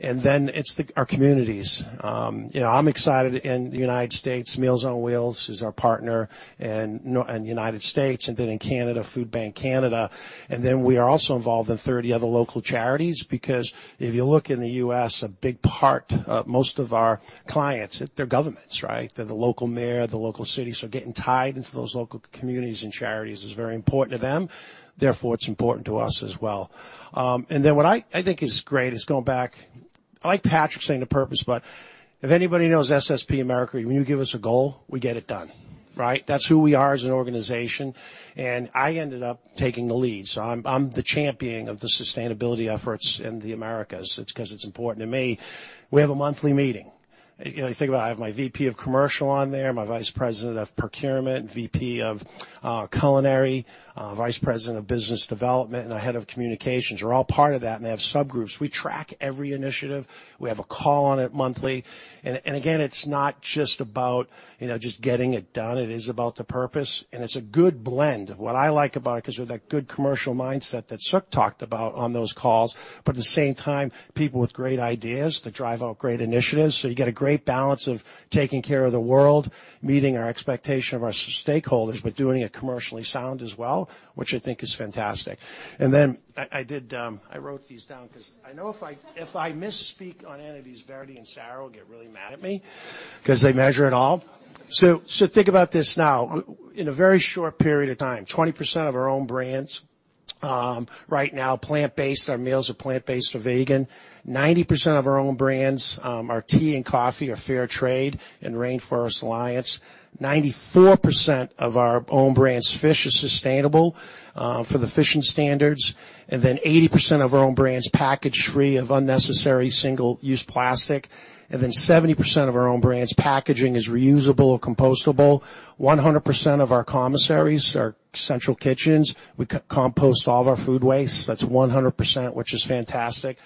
It's the, our communities. you know, I'm excited. In the United States, Meals on Wheels is our partner in the United States, in Canada, Food Banks Canada. We are also involved in 30 other local charities because if you look in the U.S., a big part, most of our clients, they're governments, right? They're the local mayor, the local city. Getting tied into those local communities and charities is very important to them, therefore it's important to us as well. What I think is great is going back. I like Patrick saying the purpose, but if anybody knows SSP America, when you give us a goal, we get it done, right? That's who we are as an organization. I ended up taking the lead, so I'm the champion of the sustainability efforts in the Americas. It's 'cause it's important to me. We have a monthly meeting. You know, you think about it, I have my VP of commercial on there, my vice president of procurement, VP of culinary, vice president of business development, and the head of communications are all part of that, and they have subgroups. We track every initiative. We have a call on it monthly. Again, it's not just about, you know, just getting it done. It is about the purpose, and it's a good blend. What I like about it, 'cause with that good commercial mindset that Sukh talked about on those calls. At the same time, people with great ideas that drive out great initiatives. You get a great balance of taking care of the world, meeting our expectation of our stakeholders, but doing it commercially sound as well, which I think is fantastic. I did, I wrote these down 'cause I know if I, if I misspeak on any of these, Verity and Sarah will get really mad at me 'cause they measure it all. Think about this now. In a very short period of time, 20% of our own brands right now plant-based. Our meals are plant-based or vegan. 90% of our own brands, our tea and coffee are Fairtrade and Rainforest Alliance. 94% of our own brands fish is sustainable for the fishing standards. 80% of our own brands package free of unnecessary single-use plastic. 70% of our own brands packaging is reusable or compostable. 100% of our commissaries, our central kitchens, we compost all of our food waste. That's 100%, which is fantastic.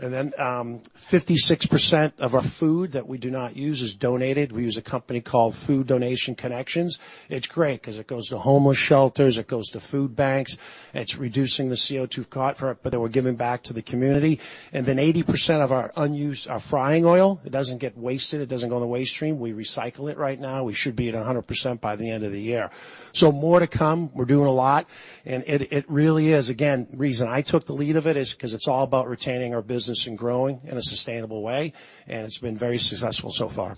56% of our food that we do not use is donated. We use a company called Food Donation Connection. It's great 'cause it goes to homeless shelters, it goes to food banks. It's reducing the CO2 footprint, we're giving back to the community. 80% of our unused, our frying oil, it doesn't get wasted. It doesn't go in the waste stream. We recycle it right now. We should be at 100% by the end of the year. More to come. We're doing a lot. It really is. Again, reason I took the lead of it is 'cause it's all about retaining our business and growing in a sustainable way, and it's been very successful so far.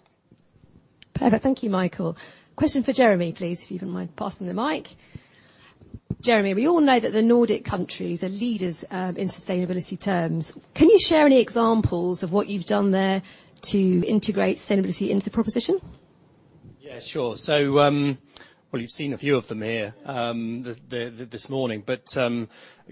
Perfect. Thank you, Michael. Question for Jeremy, please, if you don't mind passing the mic. Jeremy, we all know that the Nordic countries are leaders in sustainability terms. Can you share any examples of what you've done there to integrate sustainability into the proposition? Yeah, sure. Well, you've seen a few of them here, this morning, but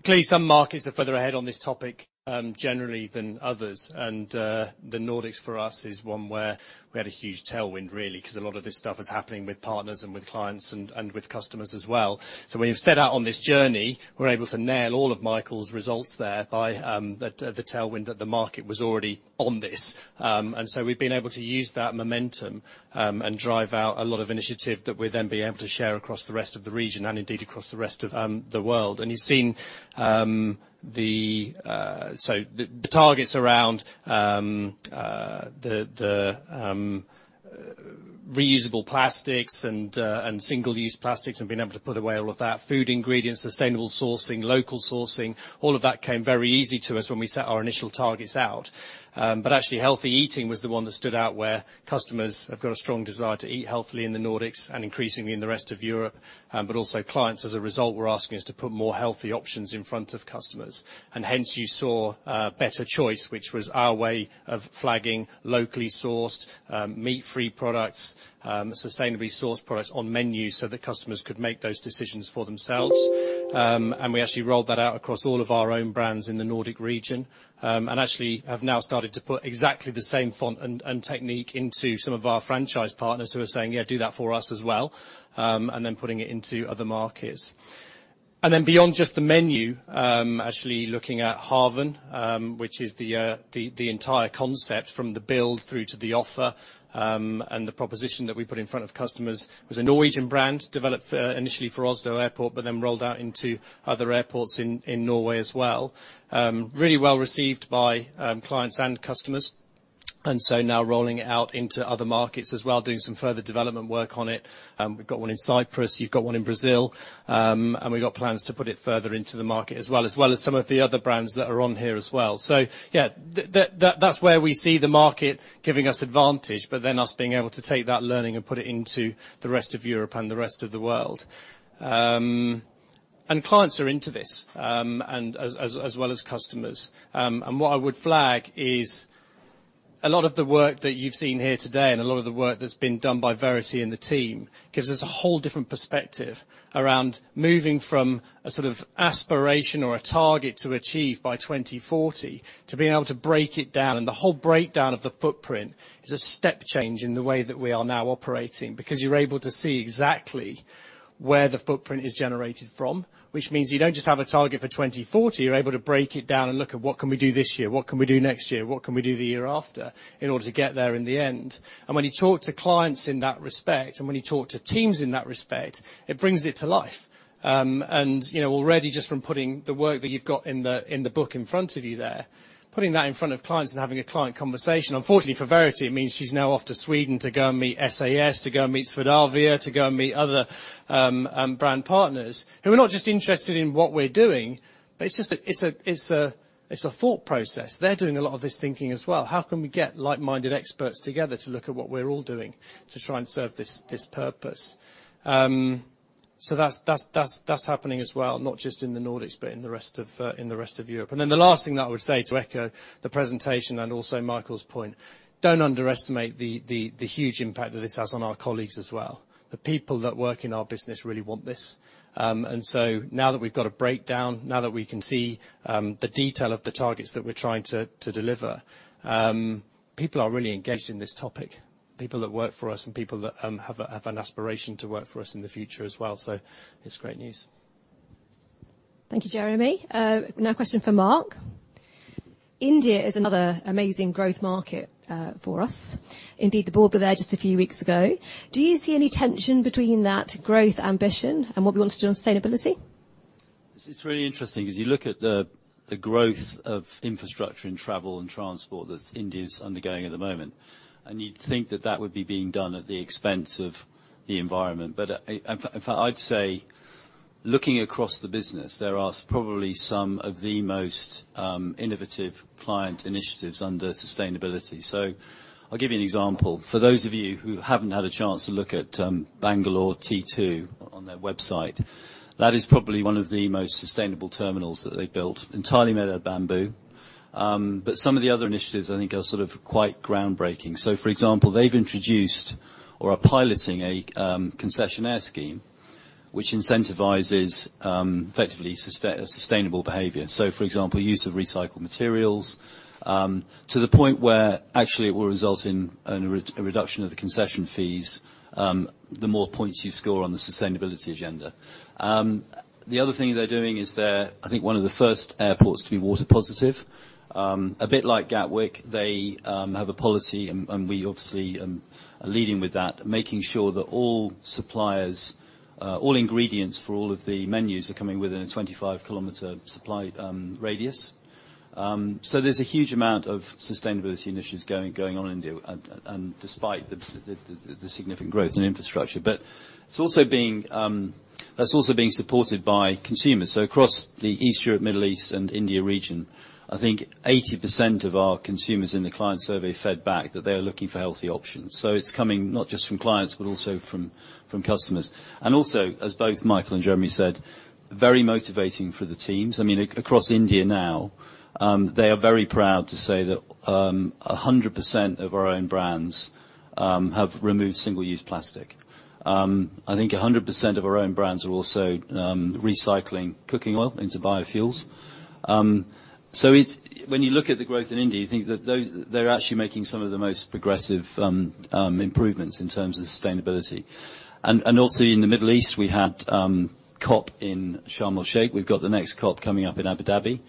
clearly some markets are further ahead on this topic, generally than others. The Nordics for us is one where we had a huge tailwind really, 'cause a lot of this stuff is happening with partners and with clients and with customers as well. When you've set out on this journey, we're able to nail all of Michael's results there by the tailwind that the market was already on this. We've been able to use that momentum, and drive out a lot of initiative that we'll then be able to share across the rest of the region and indeed across the rest of the world. You've seen, the. The targets around, the, reusable plastics and single-use plastics and being able to put away all of that. Food ingredients, sustainable sourcing, local sourcing, all of that came very easy to us when we set our initial targets out. Actually healthy eating was the one that stood out where customers have got a strong desire to eat healthily in the Nordics and increasingly in the rest of Europe. Also clients as a result were asking us to put more healthy options in front of customers. Hence you saw Better Choice, which was our way of flagging locally sourced, meat-free products, sustainably sourced products on menus so that customers could make those decisions for themselves. We actually rolled that out across all of our own brands in the Nordic region. Actually have now started to put exactly the same font and technique into some of our franchise partners who are saying, "Yeah, do that for us as well," then putting it into other markets. Beyond just the menu, actually looking at Haven, which is the entire concept from the build through to the offer, and the proposition that we put in front of customers. It was a Norwegian brand developed initially for Oslo Airport, but then rolled out into other airports in Norway as well. Really well received by clients and customers. Now rolling it out into other markets as well, doing some further development work on it. We've got one in Cyprus, you've got one in Brazil, and we've got plans to put it further into the market as well, as well as some of the other brands that are on here as well. Yeah, that's where we see the market giving us advantage, but us being able to take that learning and put it into the rest of Europe and the rest of the world. Clients are into this, and as well as customers. What I would flag is a lot of the work that you've seen here today and a lot of the work that's been done by Verity and the team gives us a whole different perspective around moving from a sort of aspiration or a target to achieve by 2040, to being able to break it down. The whole breakdown of the footprint is a step change in the way that we are now operating because you're able to see exactly where the footprint is generated from, which means you don't just have a target for 2040, you're able to break it down and look at what can we do this year, what can we do next year, what can we do the year after in order to get there in the end. When you talk to clients in that respect, and when you talk to teams in that respect, it brings it to life. You know, already just from putting the work that you've got in the, in the book in front of you there, putting that in front of clients and having a client conversation. Unfortunately for Verity, it means she's now off to Sweden to go and meet SAS, to go and meet Swedavia, to go and meet other brand partners who are not just interested in what we're doing, but it's a thought process. They're doing a lot of this thinking as well. How can we get like-minded experts together to look at what we're all doing to try and serve this purpose? So that's happening as well, not just in the Nordics, but in the rest of Europe. The last thing that I would say to echo the presentation and also Michael's point, don't underestimate the huge impact that this has on our colleagues as well. The people that work in our business really want this. Now that we've got a breakdown, now that we can see, the detail of the targets that we're trying to deliver, people are really engaged in this topic, people that work for us and people that have an aspiration to work for us in the future as well. It's great news. Thank you, Jeremy. Now a question for Mark. India is another amazing growth market for us. Indeed, the board were there just a few weeks ago. Do you see any tension between that growth ambition and what we want to do on sustainability? This is really interesting because you look at the growth of infrastructure in travel and transport that India is undergoing at the moment, and you'd think that that would be being done at the expense of the environment. In fact, I'd say looking across the business, there are probably some of the most innovative client initiatives under sustainability. I'll give you an example. For those of you who haven't had a chance to look at Bangalore T2 on their website, that is probably one of the most sustainable terminals that they built, entirely made out of bamboo. Some of the other initiatives I think are sort of quite groundbreaking. For example, they've introduced or are piloting a concessionaire scheme which incentivizes effectively sustainable behavior. For example, use of recycled materials, to the point where actually it will result in a reduction of the concession fees, the more points you score on the sustainability agenda. The other thing they're doing is they're, I think, one of the first airports to be water positive. A bit like Gatwick, they have a policy, and we obviously are leading with that, making sure that all suppliers, all ingredients for all of the menus are coming within a 25-km supply radius. There's a huge amount of sustainability initiatives going on in India and despite the significant growth in infrastructure. It's also being supported by consumers. Across the East Europe, Middle East and India region, I think 80% of our consumers in the client survey fed back that they are looking for healthy options. It's coming not just from clients, but also from customers. Also, as both Michael and Jeremy said, very motivating for the teams. I mean, across India now, they are very proud to say that 100% of our own brands have removed single-use plastic. I think 100% of our own brands are also recycling cooking oil into biofuels. When you look at the growth in India, you think that they're actually making some of the most progressive improvements in terms of sustainability. Also in the Middle East, we had COP in Sharm El-Sheikh. We've got the next COP coming up in Abu Dhabi.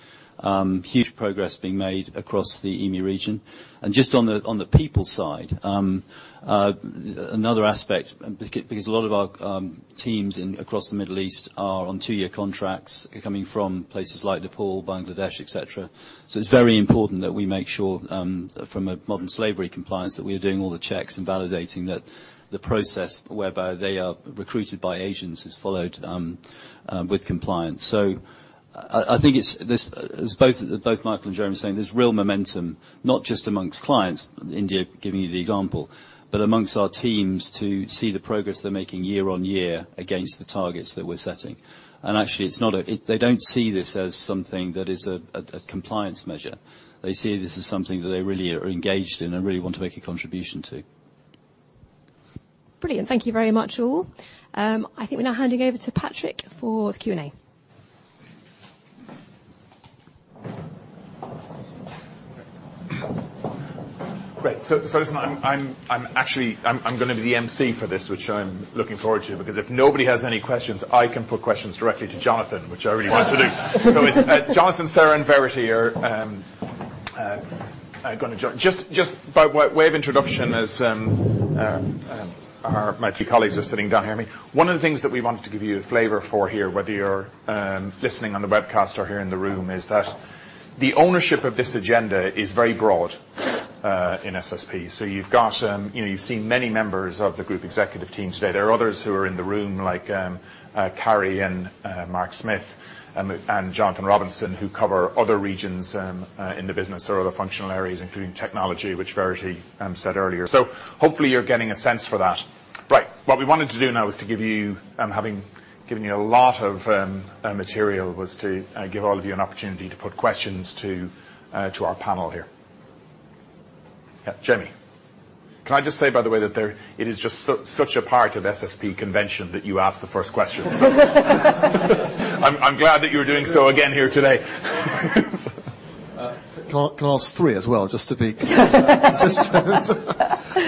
Huge progress being made across the EMEA region. Just on the, on the people side, another aspect, because a lot of our teams in across the Middle East are on two-year contracts coming from places like Nepal, Bangladesh, et cetera. It's very important that we make sure, from a modern slavery compliance that we are doing all the checks and validating that the process whereby they are recruited by agents is followed with compliance. I think it's as both Michael and Jeremy were saying, there's real momentum, not just amongst clients, India giving you the example, but amongst our teams to see the progress they're making year-on-year against the targets that we're setting. Actually, they don't see this as something that is a compliance measure. They see this as something that they really are engaged in and really want to make a contribution to. Brilliant. Thank you very much, all. I think we're now handing over to Patrick for the Q&A. Great. Listen, I'm actually, I'm gonna be the emcee for this, which I'm looking forward to because if nobody has any questions, I can put questions directly to Jonathan, which I really want to do. It's Jonathan, Sarah, and Verity are gonna join. Just by way of introduction as my two colleagues are sitting down here. I mean, one of the things that we wanted to give you a flavor for here, whether you're listening on the webcast or here in the room, is that the ownership of this agenda is very broad in SSP. You've got, you know, you've seen many members of the Group Executive Team today. There are others who are in the room like, Carrie and Mark Smith, and Jonathan Robinson, who cover other regions in the business or other functional areas, including technology, which Verity said earlier. Hopefully you're getting a sense for that. Right. What we wanted to do now is to give you, having given you a lot of material, was to give all of you an opportunity to put questions to our panel here. Jamie, can I just say by the way that it is just such a part of SSP convention that you ask the first question? I'm glad that you're doing so again here today. Can I ask three as well, just to be consistent?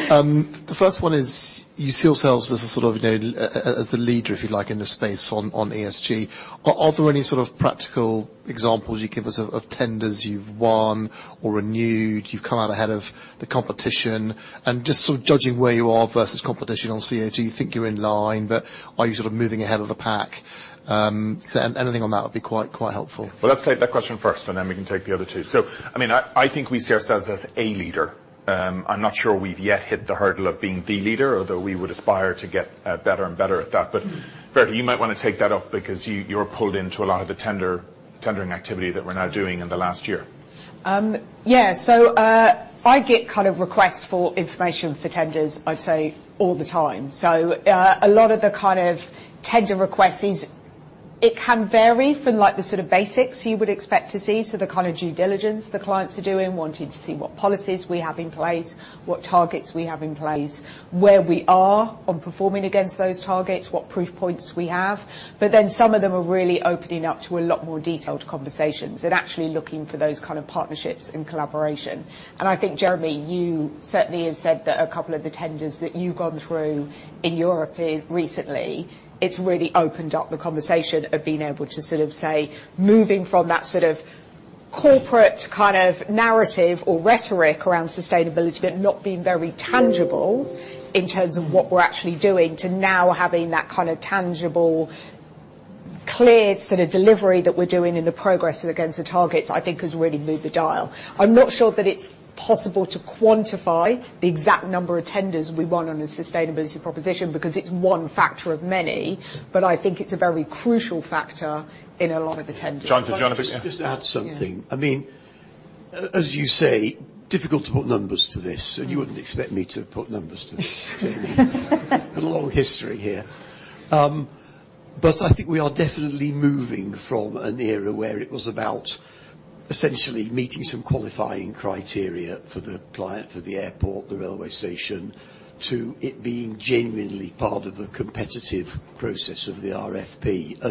The first one is, you see yourselves as a sort of, you know, as the leader, if you like, in this space on ESG. Are there any sort of practical examples you can give us of tenders you've won or renewed, you've come out ahead of the competition? Just sort of judging where you are versus competition on CO2, you think you're in line, but are you sort of moving ahead of the pack? Anything on that would be quite helpful. Let's take that question first, and then we can take the other two. I mean, I think we see ourselves as a leader. I'm not sure we've yet hit the hurdle of being the leader, although we would aspire to get better and better at that. Verity, you might wanna take that up because you're pulled into a lot of the tendering activity that we're now doing in the last year. Yeah. I get kind of requests for information for tenders, I'd say, all the time. A lot of the kind of tender requests can vary from, like, the sort of basics you would expect to see. The kind of due diligence the clients are doing, wanting to see what policies we have in place, what targets we have in place, where we are on performing against those targets, what proof points we have. Some of them are really opening up to a lot more detailed conversations and actually looking for those kind of partnerships and collaboration. I think, Jeremy, you certainly have said that a couple of the tenders that you've gone through in Europe recently, it's really opened up the conversation of being able to sort of say, moving from that sort of corporate kind of narrative or rhetoric around sustainability, but not being very tangible in terms of what we're actually doing to now having that kind of tangible, clear sort of delivery that we're doing and the progress against the targets, I think has really moved the dial. I'm not sure that it's possible to quantify the exact number of tenders we won on a sustainability proposition because it's one factor of many, but I think it's a very crucial factor in a lot of the tenders. Jonathan? Jonathan? Just to add something. Yeah. I mean, as you say, difficult to put numbers to this, and you wouldn't expect me to put numbers to this. A long history here. I think we are definitely moving from an era where it was about essentially meeting some qualifying criteria for the client, for the airport, the railway station, to it being genuinely part of the competitive process of the RFP.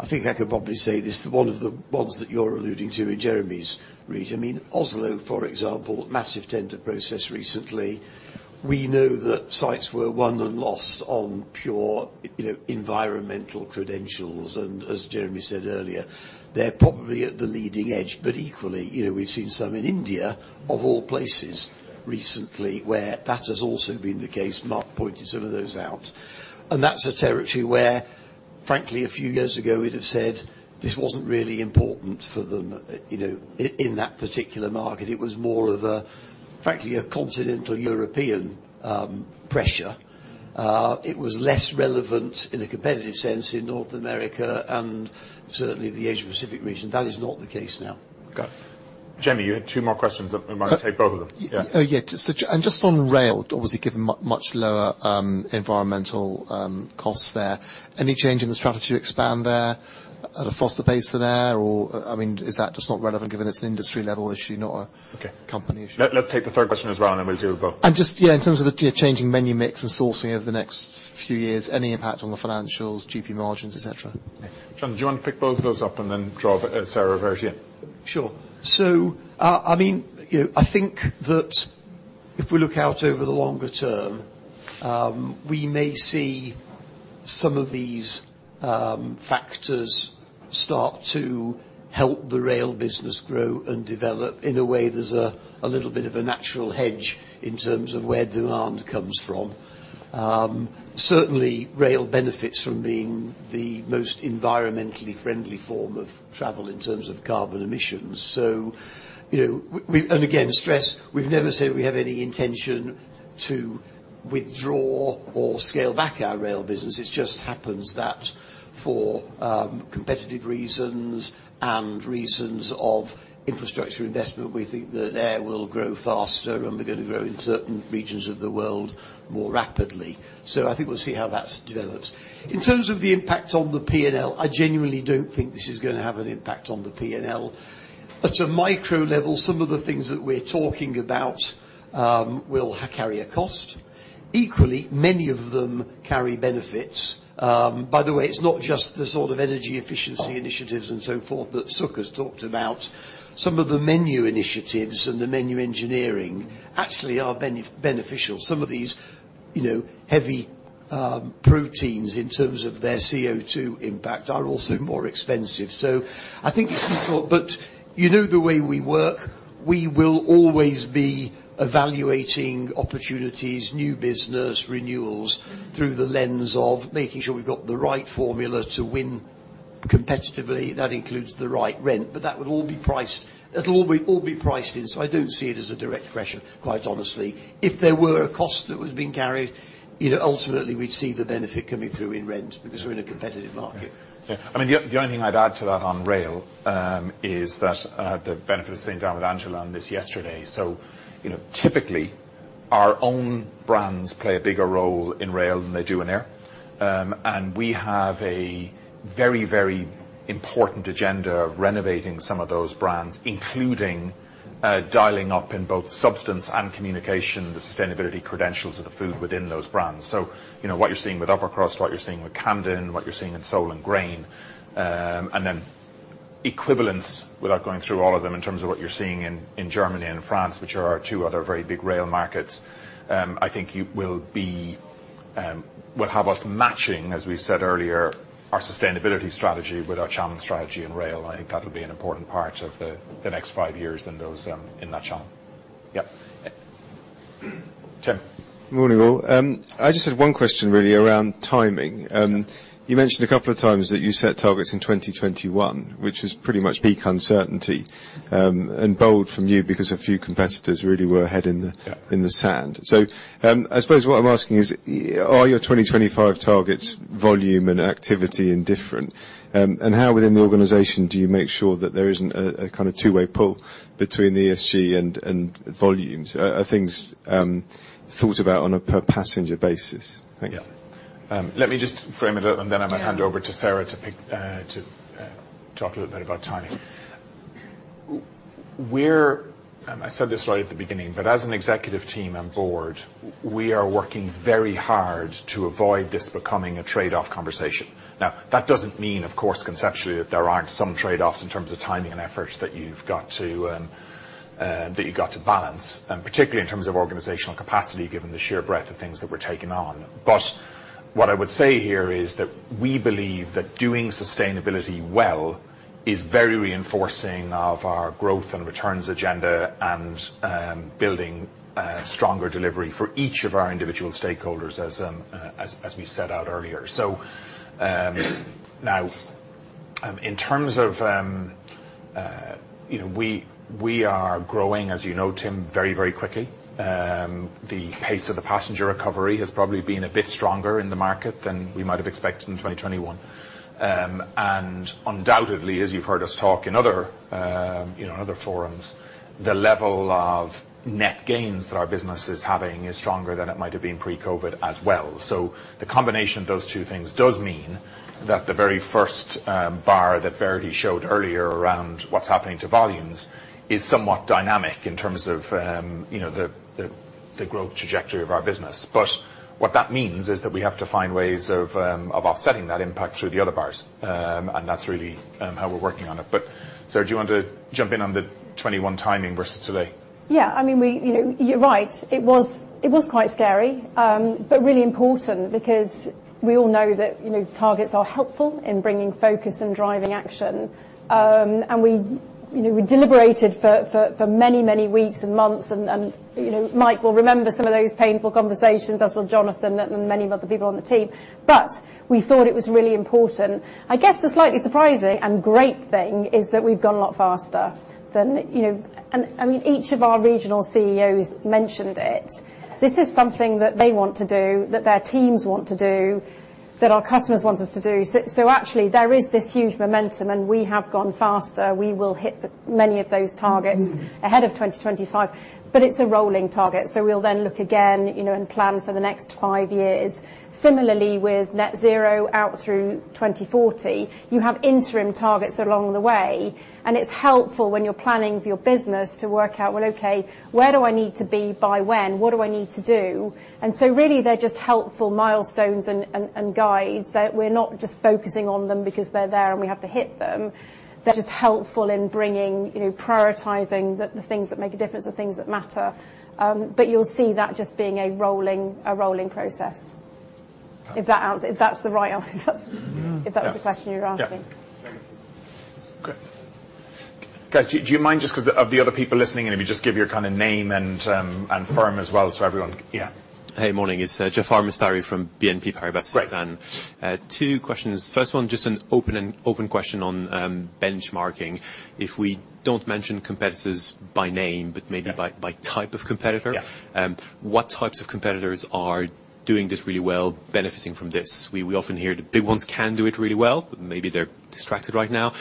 I think I can probably say this, one of the ones that you're alluding to in Jeremy's region, I mean, Oslo, for example, massive tender process recently. We know that sites were won and lost on pure, you know, environmental credentials. As Jeremy said earlier, they're probably at the leading edge. Equally, you know, we've seen some in India, of all places recently, where that has also been the case. Mark pointed some of those out. That's a territory where frankly, a few years ago, we'd have said this wasn't really important for them, you know, in that particular market. It was more of a, frankly, a continental European pressure. It was less relevant in a competitive sense in North America and certainly the Asia Pacific region. That is not the case now. Got it. Jamie, you had two more questions. You might take both of them. Yeah. Yeah. Just on rail, obviously given much lower environmental costs there. Any change in the strategy to expand there at a faster pace than air? I mean, is that just not relevant given it's an industry level issue, not a. Okay company issue? Let's take the third question as well, and then we'll do both. Just, in terms of the changing menu mix and sourcing over the next few years, any impact on the financials, GP margins, et cetera? Okay. John, do you want to pick both of those up and then draw Sarah and Verity in? Sure. I mean, you know, I think that if we look out over the longer term, we may see some of these factors start to help the rail business grow and develop in a way that's a little bit of a natural hedge in terms of where demand comes from. Certainly, rail benefits from being the most environmentally friendly form of travel in terms of carbon emissions. You know, we, and again, stress, we've never said we have any intention to withdraw or scale back our rail business. It just happens that for competitive reasons and reasons of infrastructure investment, we think that air will grow faster and we're gonna grow in certain regions of the world more rapidly. I think we'll see how that develops. In terms of the impact on the P&L, I genuinely don't think this is gonna have an impact on the P&L. At a micro level, some of the things that we're talking about, will carry a cost. Equally, many of them carry benefits. By the way, it's not just the sort of energy efficiency initiatives and so forth that Sukh has talked about. Some of the menu initiatives and the menu engineering actually are beneficial. Some of these, you know, heavy proteins in terms of their CO2 impact are also more expensive. I think if you thought. You know the way we work, we will always be evaluating opportunities, new business, renewals through the lens of making sure we've got the right formula to win competitively. That includes the right rent. That would all be priced, that'll all be priced in. I don't see it as a direct pressure, quite honestly. If there were a cost that was being carried, you know, ultimately we'd see the benefit coming through in rent because we're in a competitive market. I mean, the only thing I'd add to that on rail, is that I had the benefit of sitting down with Angela on this yesterday. You know, typically, our own brands play a bigger role in rail than they do in air. We have a very, very important agenda of renovating some of those brands, including, dialing up in both substance and communication, the sustainability credentials of the food within those brands. You know, what you're seeing with Upper Crust, what you're seeing with Camden, what you're seeing in Soul + Grain. Then equivalence, without going through all of them, in terms of what you're seeing in Germany and France, which are our two other very big rail markets, I think you will be. Will have us matching, as we said earlier, our sustainability strategy with our channel strategy in rail. I think that'll be an important part of the next five years and those in that channel. Yep. Tim. Morning, all. I just had one question really around timing. You mentioned a couple of times that you set targets in 2021, which is pretty much peak uncertainty, and bold from you because a few competitors really were. Yeah in the sand. I suppose what I'm asking is, are your 2025 targets volume and activity indifferent? How within the organization do you make sure that there isn't a kind of two-way pull between the ESG and volumes? Are things thought about on a per passenger basis? Thank you. Yeah. Let me just frame it up, and then I'm gonna hand over to Sarah to talk a little bit about timing. I said this right at the beginning, but as an executive team and board, we are working very hard to avoid this becoming a trade-off conversation. Now, that doesn't mean, of course, conceptually that there aren't some trade-offs in terms of timing and efforts that you've got to balance, and particularly in terms of organizational capacity, given the sheer breadth of things that we're taking on. What I would say here is that we believe that doing sustainability well is very reinforcing of our growth and returns agenda and building stronger delivery for each of our individual stakeholders as we set out earlier. Now, in terms of, you know, we are growing, as you know, Tim, very, very quickly. The pace of the passenger recovery has probably been a bit stronger in the market than we might have expected in 2021. And undoubtedly, as you've heard us talk in other, you know, in other forums, the level of net gains that our business is having is stronger than it might have been pre-COVID as well. The combination of those two things does mean that the very first bar that Verity showed earlier around what's happening to volumes is somewhat dynamic in terms of, you know, the, the growth trajectory of our business. What that means is that we have to find ways of offsetting that impact through the other bars. That's really how we're working on it. Sarah, do you want to jump in on the 2021 timing versus today? I mean, we. You know, you're right. It was, it was quite scary, but really important because we all know that, you know, targets are helpful in bringing focus and driving action. We, you know, we deliberated for many, many weeks and months and, you know, Mike will remember some of those painful conversations as will Jonathan and many of other people on the team. We thought it was really important. I guess the slightly surprising and great thing is that we've gone a lot faster than, you know. I mean, each of our regional CEOs mentioned it. This is something that they want to do, that their teams want to do, that our customers want us to do. Actually, there is this huge momentum, and we have gone faster. We will hit many of those targets ahead of 2025. It's a rolling target, so we'll then look again, you know, and plan for the next five years. Similarly, with net zero out through 2040, you have interim targets along the way. It's helpful when you're planning for your business to work out, well, okay, where do I need to be by when? What do I need to do? Really, they're just helpful milestones and guides that we're not just focusing on them because they're there and we have to hit them. They're just helpful in bringing, you know, prioritizing the things that make a difference, the things that matter. You'll see that just being a rolling process. If that's the right answer. Yeah if that was the question you were asking. Yeah. Thank you. Great. Guys, do you mind just 'cause of the other people listening if you just give your kind of name and firm as well so everyone. Yeah. Hey, morning. It's Jaafar Mestari from BNP Paribas. Great. Two questions. First one, just an open and open question on benchmarking. If we don't mention competitors by name- Yeah but maybe by type of competitor- Yeah what types of competitors are doing this really well, benefiting from this? We often hear the big ones can do it really well, but maybe they're distracted right now.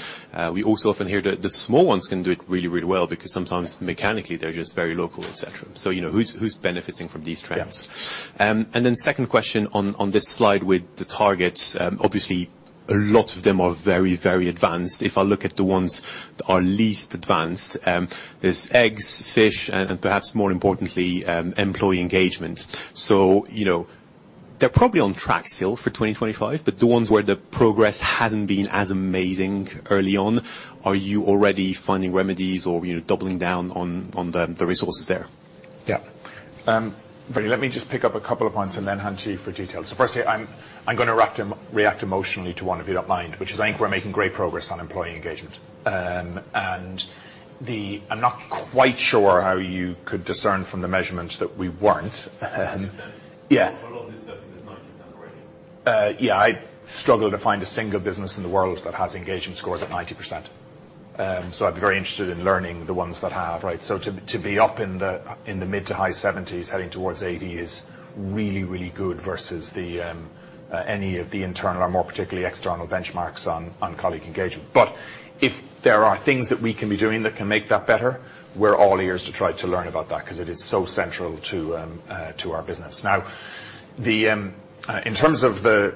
We also often hear the small ones can do it really well because sometimes mechanically they're just very local, et cetera. You know, who's benefiting from these trends? Yeah. Second question on this slide with the targets, obviously a lot of them are very, very advanced. If I look at the ones that are least advanced, there's eggs, fish and perhaps more importantly, employee engagement. You know, they're probably on track still for 2025, but the ones where the progress hasn't been as amazing early on, are you already finding remedies or, you know, doubling down on the resources there? Yeah. Verity, let me just pick up a couple of points and then hand to you for details. Firstly, I'm gonna react emotionally to one, if you don't mind, which is I think we're making great progress on employee engagement. I'm not quite sure how you could discern from the measurements that we weren't. Percent. Yeah. A lot of these businesses are 90% already. Yeah. I struggle to find a single business in the world that has engagement scores at 90%. I'd be very interested in learning the ones that have. Right. To be up in the mid to high 70s% heading towards 80% is really, really good versus the any of the internal or more particularly external benchmarks on colleague engagement. If there are things that we can be doing that can make that better, we're all ears to try to learn about that 'cause it is so central to our business. In terms of the,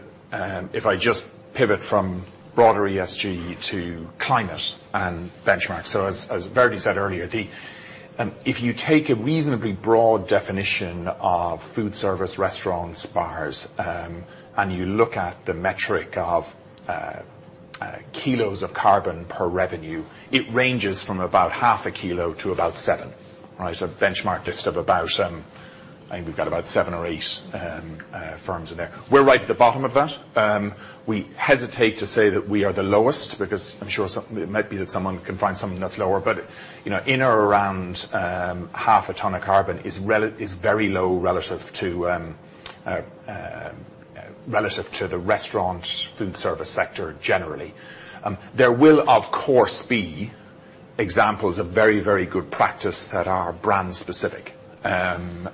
if I just pivot from broader ESG to climate and benchmarks. As Verity said earlier, if you take a reasonably broad definition of food service, restaurants, bars, and you look at the metric of kgs of carbon per revenue, it ranges from about half a kg to about 7. Right? Benchmark just of about, I think we've got about 7 or 8 firms in there. We're right at the bottom of that. We hesitate to say that we are the lowest because I'm sure some it might be that someone can find something that's lower. You know, in or around half a ton of carbon is very low relative to relative to the restaurant food service sector generally. There will, of course, be examples of very, very good practice that are brand specific. There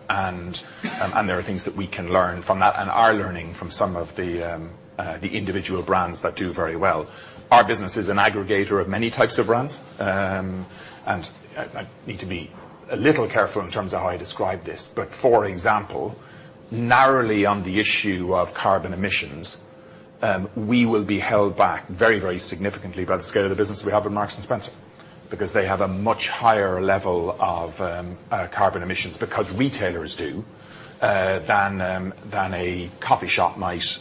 are things that we can learn from that and are learning from some of the individual brands that do very well. Our business is an aggregator of many types of brands. I need to be a little careful in terms of how I describe this. For example, narrowly on the issue of carbon emissions, we will be held back very, very significantly by the scale of the business we have with Marks & Spencer, because they have a much higher level of carbon emissions because retailers do than a coffee shop might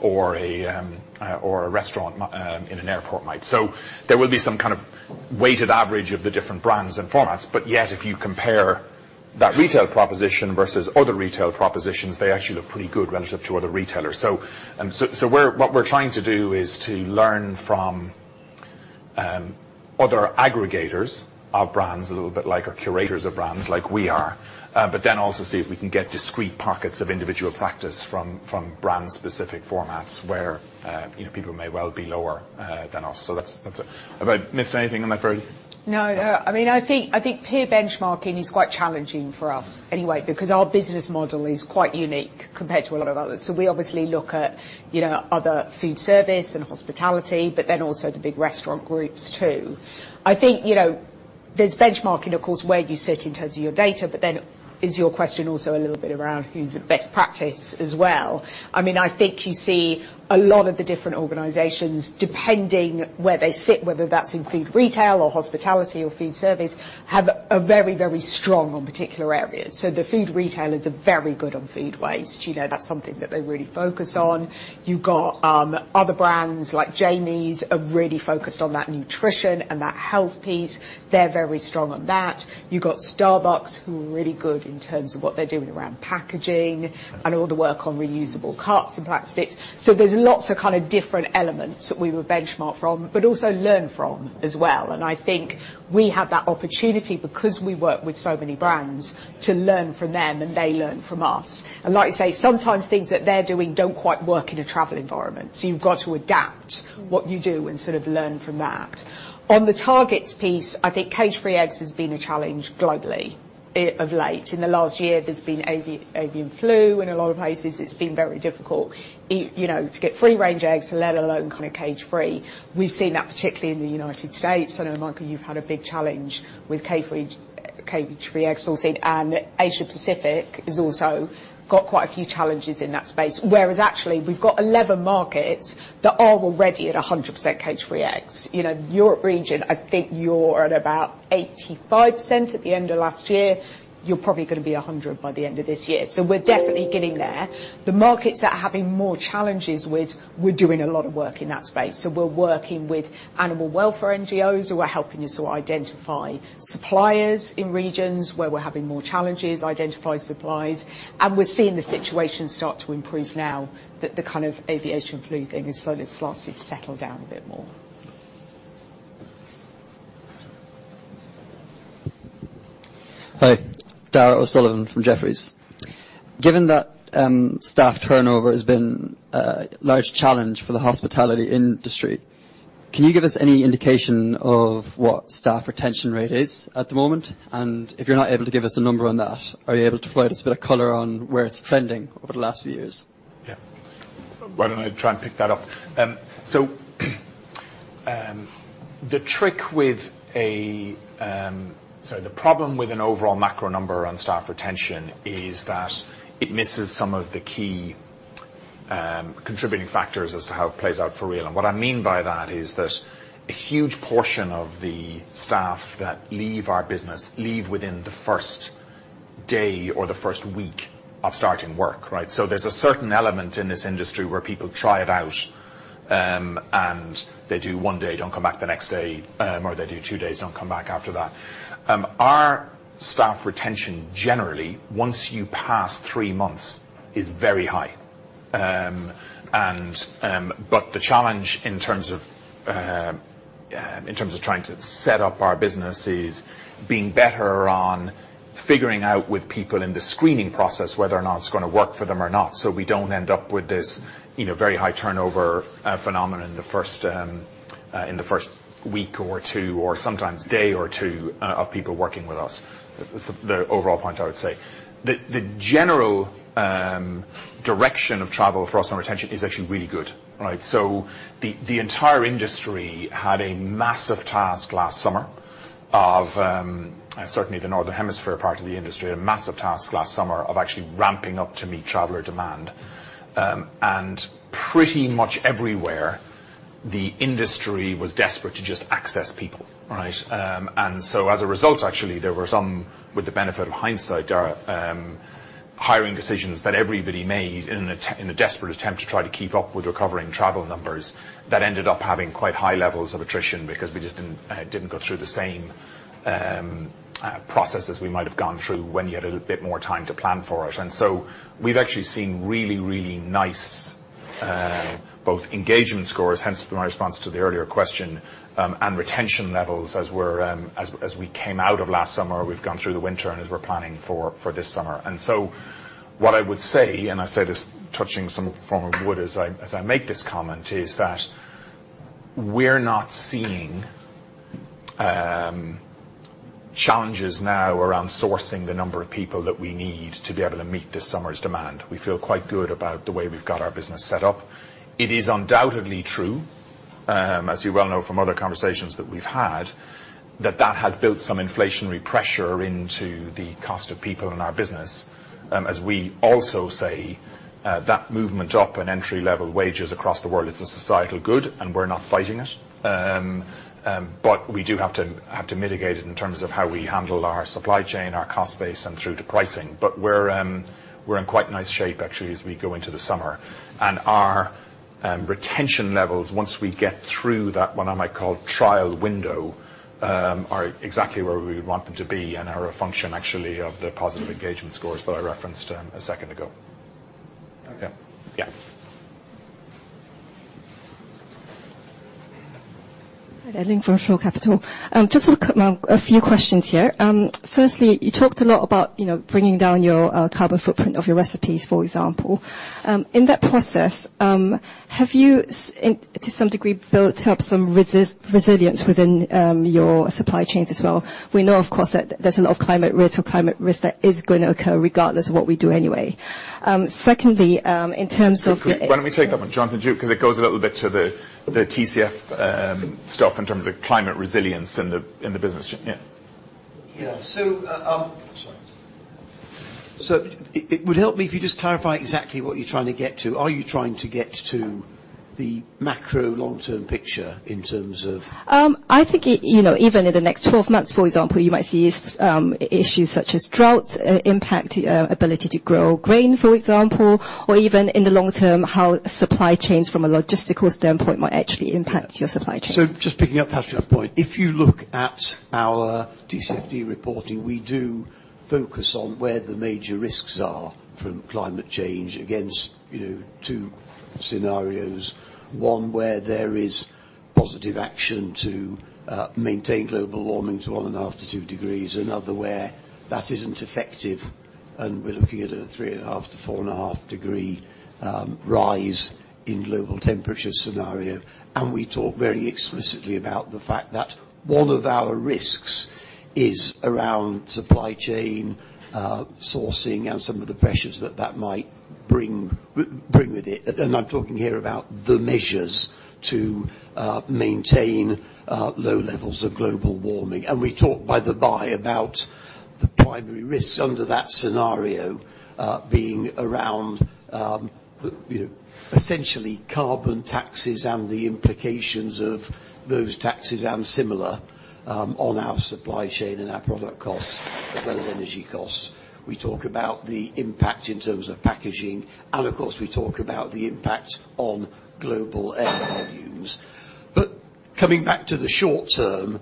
or a restaurant in an airport might. There will be some kind of weighted average of the different brands and formats. Yet if you compare that retail proposition versus other retail propositions, they actually look pretty good relative to other retailers. What we're trying to do is to learn from other aggregators of brands, a little bit like our curators of brands like we are. Then also see if we can get discrete pockets of individual practice from brand specific formats where, you know, people may well be lower than us. That's a. Have I missed anything on that, Verity? No. No. I mean, I think peer benchmarking is quite challenging for us anyway because our business model is quite unique compared to a lot of others. We obviously look at, you know, other food service and hospitality, but then also the big restaurant groups too. I think, you know, there's benchmarking of course, where you sit in terms of your data, but then is your question also a little bit around who's the best practice as well? I mean, I think you see a lot of the different organizations, depending where they sit, whether that's in food retail or hospitality or food service, have a very strong on particular areas. The food retailers are very good on food waste. You know, that's something that they really focus on. You've got other brands like Jamie's are really focused on that nutrition and that health piece. They're very strong on that. You've got Starbucks who are really good in terms of what they're doing around packaging and all the work on reusable cups and plastics. There's lots of kind of different elements that we will benchmark from, but also learn from as well. I think we have that opportunity because we work with so many brands to learn from them and they learn from us. Like you say, sometimes things that they're doing don't quite work in a travel environment, so you've got to adapt what you do and sort of learn from that. On the targets piece, I think cage-free eggs has been a challenge globally of late. In the last year, there's been avian flu in a lot of places. It's been very difficult, you know, to get free-range eggs, let alone kind of cage-free. We've seen that particularly in the United States. I know, Michael, you've had a big challenge with cage-free egg sourcing. Asia Pacific has also got quite a few challenges in that space. Whereas actually we've got 11 markets that are already at 100% cage-free eggs. You know, Europe region, I think you're at about 85% at the end of last year. You're probably gonna be 100% by the end of this year. We're definitely getting there. The markets that are having more challenges with, we're doing a lot of work in that space. We're working with animal welfare NGOs who are helping us to identify suppliers in regions where we're having more challenges, and we're seeing the situation start to improve now that the kind of avian flu thing has sort of started to settle down a bit more. Hi. Darragh O'Sullivan from Jefferies. Given that staff turnover has been a large challenge for the hospitality industry, can you give us any indication of what staff retention rate is at the moment? If you're not able to give us a number on that, are you able to provide us a bit of color on where it's trending over the last few years? Yeah. Why don't I try and pick that up? The trick with a. Sorry. The problem with an overall macro number on staff retention is that it misses some of the key contributing factors as to how it plays out for real. What I mean by that is that a huge portion of the staff that leave our business leave within the first day or the first week of starting work, right? There's a certain element in this industry where people try it out, and they do one day, don't come back the next day, or they do two days, don't come back after that. Our staff retention generally, once you pass three months, is very high. The challenge in terms of trying to set up our business is being better on figuring out with people in the screening process whether or not it's gonna work for them or not, so we don't end up with this, you know, very high turnover phenomenon in the first week or two, or sometimes day or two, of people working with us. That's the overall point, I would say. The general direction of travel for us on retention is actually really good. Right? The entire industry had a massive task last summer of, certainly the northern hemisphere part of the industry, actually ramping up to meet traveler demand. Pretty much everywhere, the industry was desperate to just access people, right? As a result, actually, there were some, with the benefit of hindsight, Darragh, hiring decisions that everybody made in a desperate attempt to try to keep up with recovering travel numbers that ended up having quite high levels of attrition because we just didn't go through the same processes we might have gone through when you had a bit more time to plan for it. We've actually seen really, really nice, both engagement scores, hence my response to the earlier question, and retention levels as we're, as we came out of last summer. We've gone through the winter and as we're planning for this summer. What I would say, and I say this touching some form of wood as I make this comment, is that we're not seeing challenges now around sourcing the number of people that we need to be able to meet this summer's demand. We feel quite good about the way we've got our business set up. It is undoubtedly true, as you well know from other conversations that we've had, that that has built some inflationary pressure into the cost of people in our business. As we also say, that movement up in entry-level wages across the world is a societal good, and we're not fighting it. We do have to mitigate it in terms of how we handle our supply chain, our cost base, and through to pricing. We're in quite nice shape actually as we go into the summer. Our retention levels, once we get through that, what I might call trial window, are exactly where we would want them to be and are a function actually of the positive engagement scores that I referenced a second ago. Okay. Yeah. Yeah. Hi there. Ling from Shore Capital. Just a few questions here. Firstly, you talked a lot about, you know, bringing down your carbon footprint of your recipes, for example. In that process, have you to some degree, built up some resilience within your supply chains as well? We know, of course, that there's a lot of climate risk or climate risk that is gonna occur regardless of what we do anyway. Secondly, in terms of- Why don't we take up John Padjook, 'cause it goes a little bit to the TCFD stuff in terms of climate resilience in the business. Yeah. Yeah. Sorry. It would help me if you just clarify exactly what you're trying to get to. Are you trying to get to the macro long-term picture in terms of- I think it, you know, even in the next 12 months, for example, you might see issues such as droughts impact your ability to grow grain, for example. Even in the long term, how supply chains from a logistical standpoint might actually impact your supply chain. Just picking up Patricia's point. If you look at our TCFD reporting, we do focus on where the major risks are from climate change against, you know, two scenarios. One where there is positive action to maintain global warming to 1.5 to 2 degrees, another where that isn't effective, and we're looking at a 3.5 to 4.5 degree rise in global temperature scenario. We talk very explicitly about the fact that one of our risks is around supply chain sourcing and some of the pressures that that might bring with it. I'm talking here about the measures to maintain low levels of global warming. We talk, by the by, about the primary risks under that scenario, being around, you know, essentially carbon taxes and the implications of those taxes and similar, on our supply chain and our product costs as well as energy costs. We talk about the impact in terms of packaging and, of course, we talk about the impact on global air volumes. Coming back to the short term,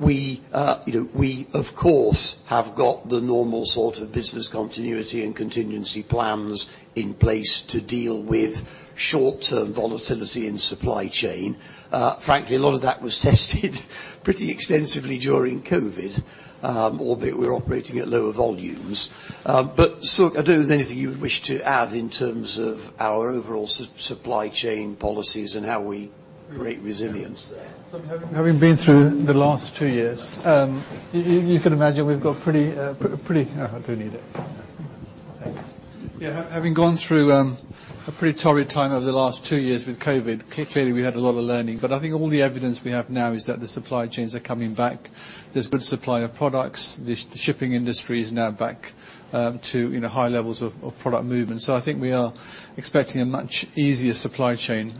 we, you know, we, of course, have got the normal sort of business continuity and contingency plans in place to deal with short-term volatility in supply chain. Frankly, a lot of that was tested Pretty extensively during COVID, albeit we're operating at lower volumes. Look, I don't know if there's anything you wish to add in terms of our overall supply chain policies and how we create resilience there. Having been through the last two years, you can imagine we've got pretty. I do need it. Thanks. Having gone through a pretty torrid time over the last two years with COVID, clearly we had a lot of learning. I think all the evidence we have now is that the supply chains are coming back. There's good supply of products. The shipping industry is now back, you know, to high levels of product movement. I think we are expecting a much easier supply chain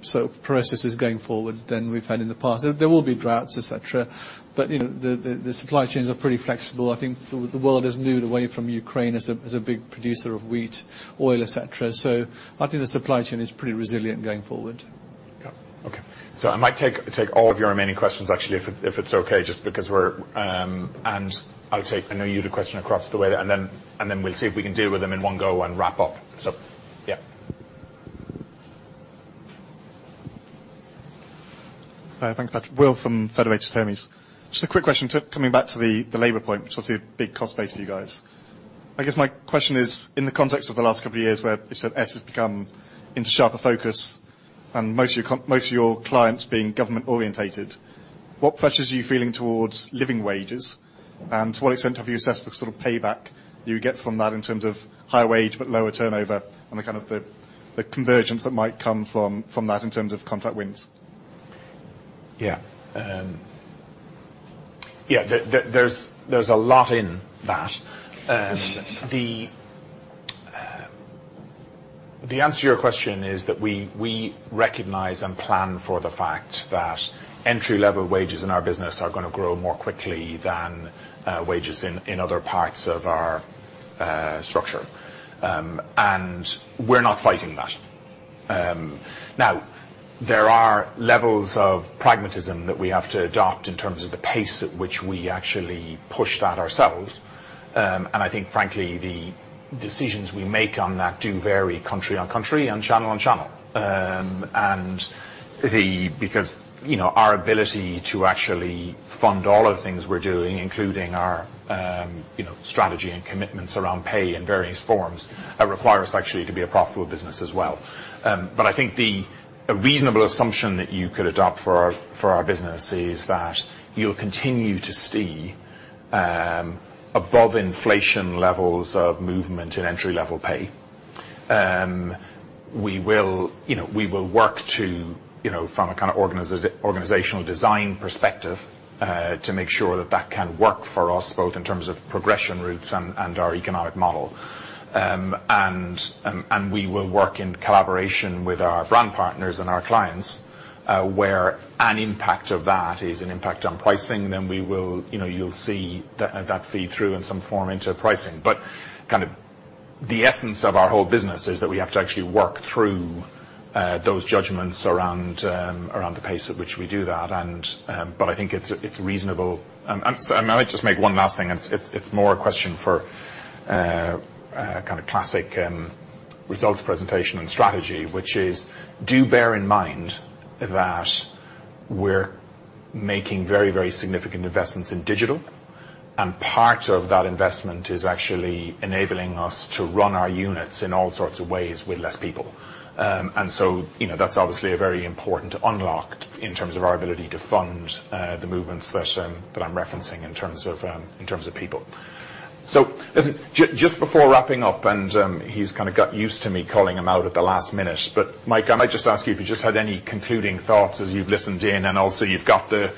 sort of process this going forward than we've had in the past. There will be droughts, et cetera, you know, the supply chains are pretty flexible. I think the world has moved away from Ukraine as a big producer of wheat, oil, et cetera. I think the supply chain is pretty resilient going forward. Yeah. Okay. I might take all of your remaining questions actually if it's okay, just because we're. I'll take, I know you had a question across the way and then we'll see if we can deal with them in one go and wrap up. Yeah. Thanks, Mike Wills from Federated Hermes. Just a quick question coming back to the labor point, sort of big cost base for you guys. I guess my question is in the context of the last couple of years where you said ESG has become into sharper focus and most of your clients being government-oriented, what pressures are you feeling towards living wages and what extent have you assessed the sort of payback you get from that in terms of higher wage but lower turnover and the kind of the convergence that might come from that in terms of contract wins? Yeah. Yeah. There's a lot in that. The answer to your question is that we recognize and plan for the fact that entry-level wages in our business are gonna grow more quickly than wages in other parts of our structure. We're not fighting that. Now, there are levels of pragmatism that we have to adopt in terms of the pace at which we actually push that ourselves. I think, frankly, the decisions we make on that do vary country on country and channel on channel. Because, you know, our ability to actually fund all of the things we're doing, including our, you know, strategy and commitments around pay in various forms, that require us actually to be a profitable business as well. I think the, a reasonable assumption that you could adopt for our, for our business is that you'll continue to see above inflation levels of movement in entry-level pay. We will work to from a kind of organizational design perspective to make sure that that can work for us both in terms of progression routes and our economic model. We will work in collaboration with our brand partners and our clients, where an impact of that is an impact on pricing, then we will you'll see that feed through in some form into pricing. Kind of the essence of our whole business is that we have to actually work through those judgments around around the pace at which we do that. I think it's reasonable. I might just make one last thing, and it's more a question for kind of classic results presentation and strategy, which is do bear in mind that we're making very, very significant investments in digital, and part of that investment is actually enabling us to run our units in all sorts of ways with less people. You know, that's obviously a very important unlock in terms of our ability to fund the movements that I'm referencing in terms of in terms of people. Listen, just before wrapping up, he's kinda got used to me calling him out at the last minute. Mike, can I just ask you if you just had any concluding thoughts as you've listened in, and also you've got the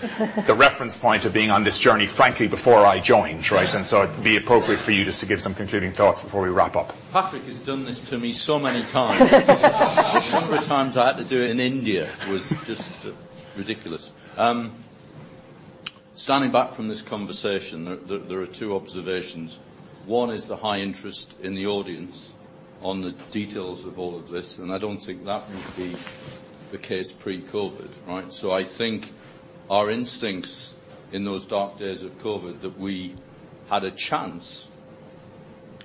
reference point of being on this journey, frankly, before I joined, right? Yeah. It'd be appropriate for you just to give some concluding thoughts before we wrap up. Patrick has done this to me so many times. The number of times I had to do it in India was just ridiculous. Standing back from this conversation, there are two observations. One is the high interest in the audience on the details of all of this, and I don't think that would be the case pre-COVID, right? I think our instincts in those dark days of COVID that we had a chance,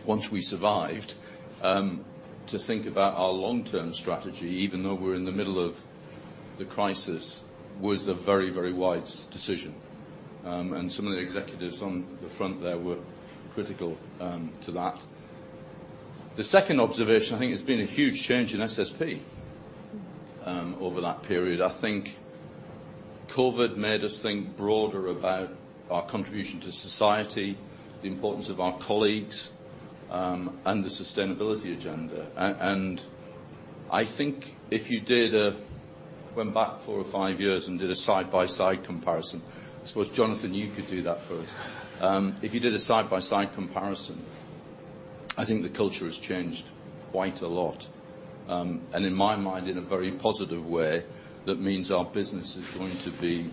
once we survived, to think about our long-term strategy, even though we're in the middle of the crisis, was a very, very wise decision. Some of the executives on the front there were critical to that. The second observation, I think there's been a huge change in SSP over that period. I think COVID made us think broader about our contribution to society, the importance of our colleagues, and the sustainability agenda. I think if you went back four or five years and did a side-by-side comparison, I suppose, Jonathan, you could do that for us. If you did a side-by-side comparison, I think the culture has changed quite a lot, and in my mind in a very positive way that means our business is going to be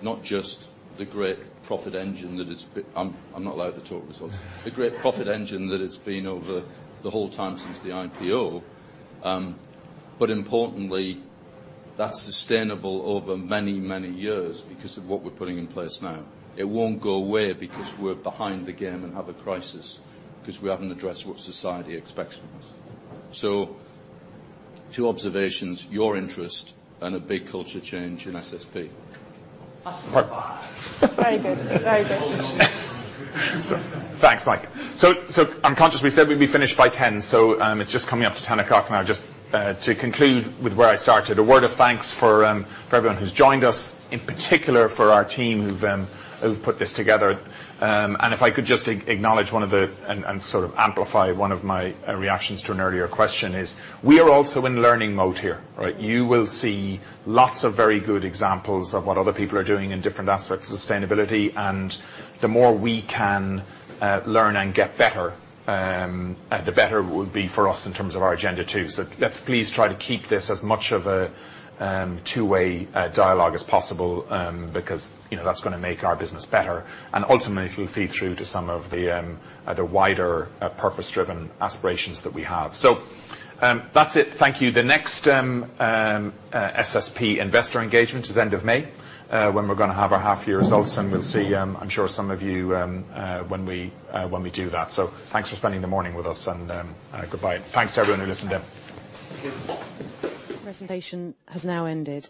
not just the great profit engine that it's been. I'm not allowed to talk results. The great profit engine that it's been over the whole time since the IPO. Importantly, that's sustainable over many, many years because of what we're putting in place now. It won't go away because we're behind the game and have a crisis because we haven't addressed what society expects from us. 2 observations, your interest and a big culture change in SSP. Awesome. Right. Very good. Very good. Thanks, Mike. I'm conscious we said we'd be finished by 10:00, it's just coming up to 10:00 now. To conclude with where I started, a word of thanks for everyone who's joined us, in particular for our team who've put this together. If I could just acknowledge one of the, and sort of amplify one of my reactions to an earlier question is we are also in learning mode here, right? You will see lots of very good examples of what other people are doing in different aspects of sustainability, and the more we can learn and get better, the better it will be for us in terms of our agenda too. Let's please try to keep this as much of a two-way dialogue as possible, because, you know, that's gonna make our business better and ultimately it'll feed through to some of the wider purpose-driven aspirations that we have. That's it. Thank you. The next SSP investor engagement is end of May, when we're gonna have our half-year results and we'll see, I'm sure some of you, when we do that. Thanks for spending the morning with us and goodbye. Thanks to everyone who listened in. This presentation has now ended.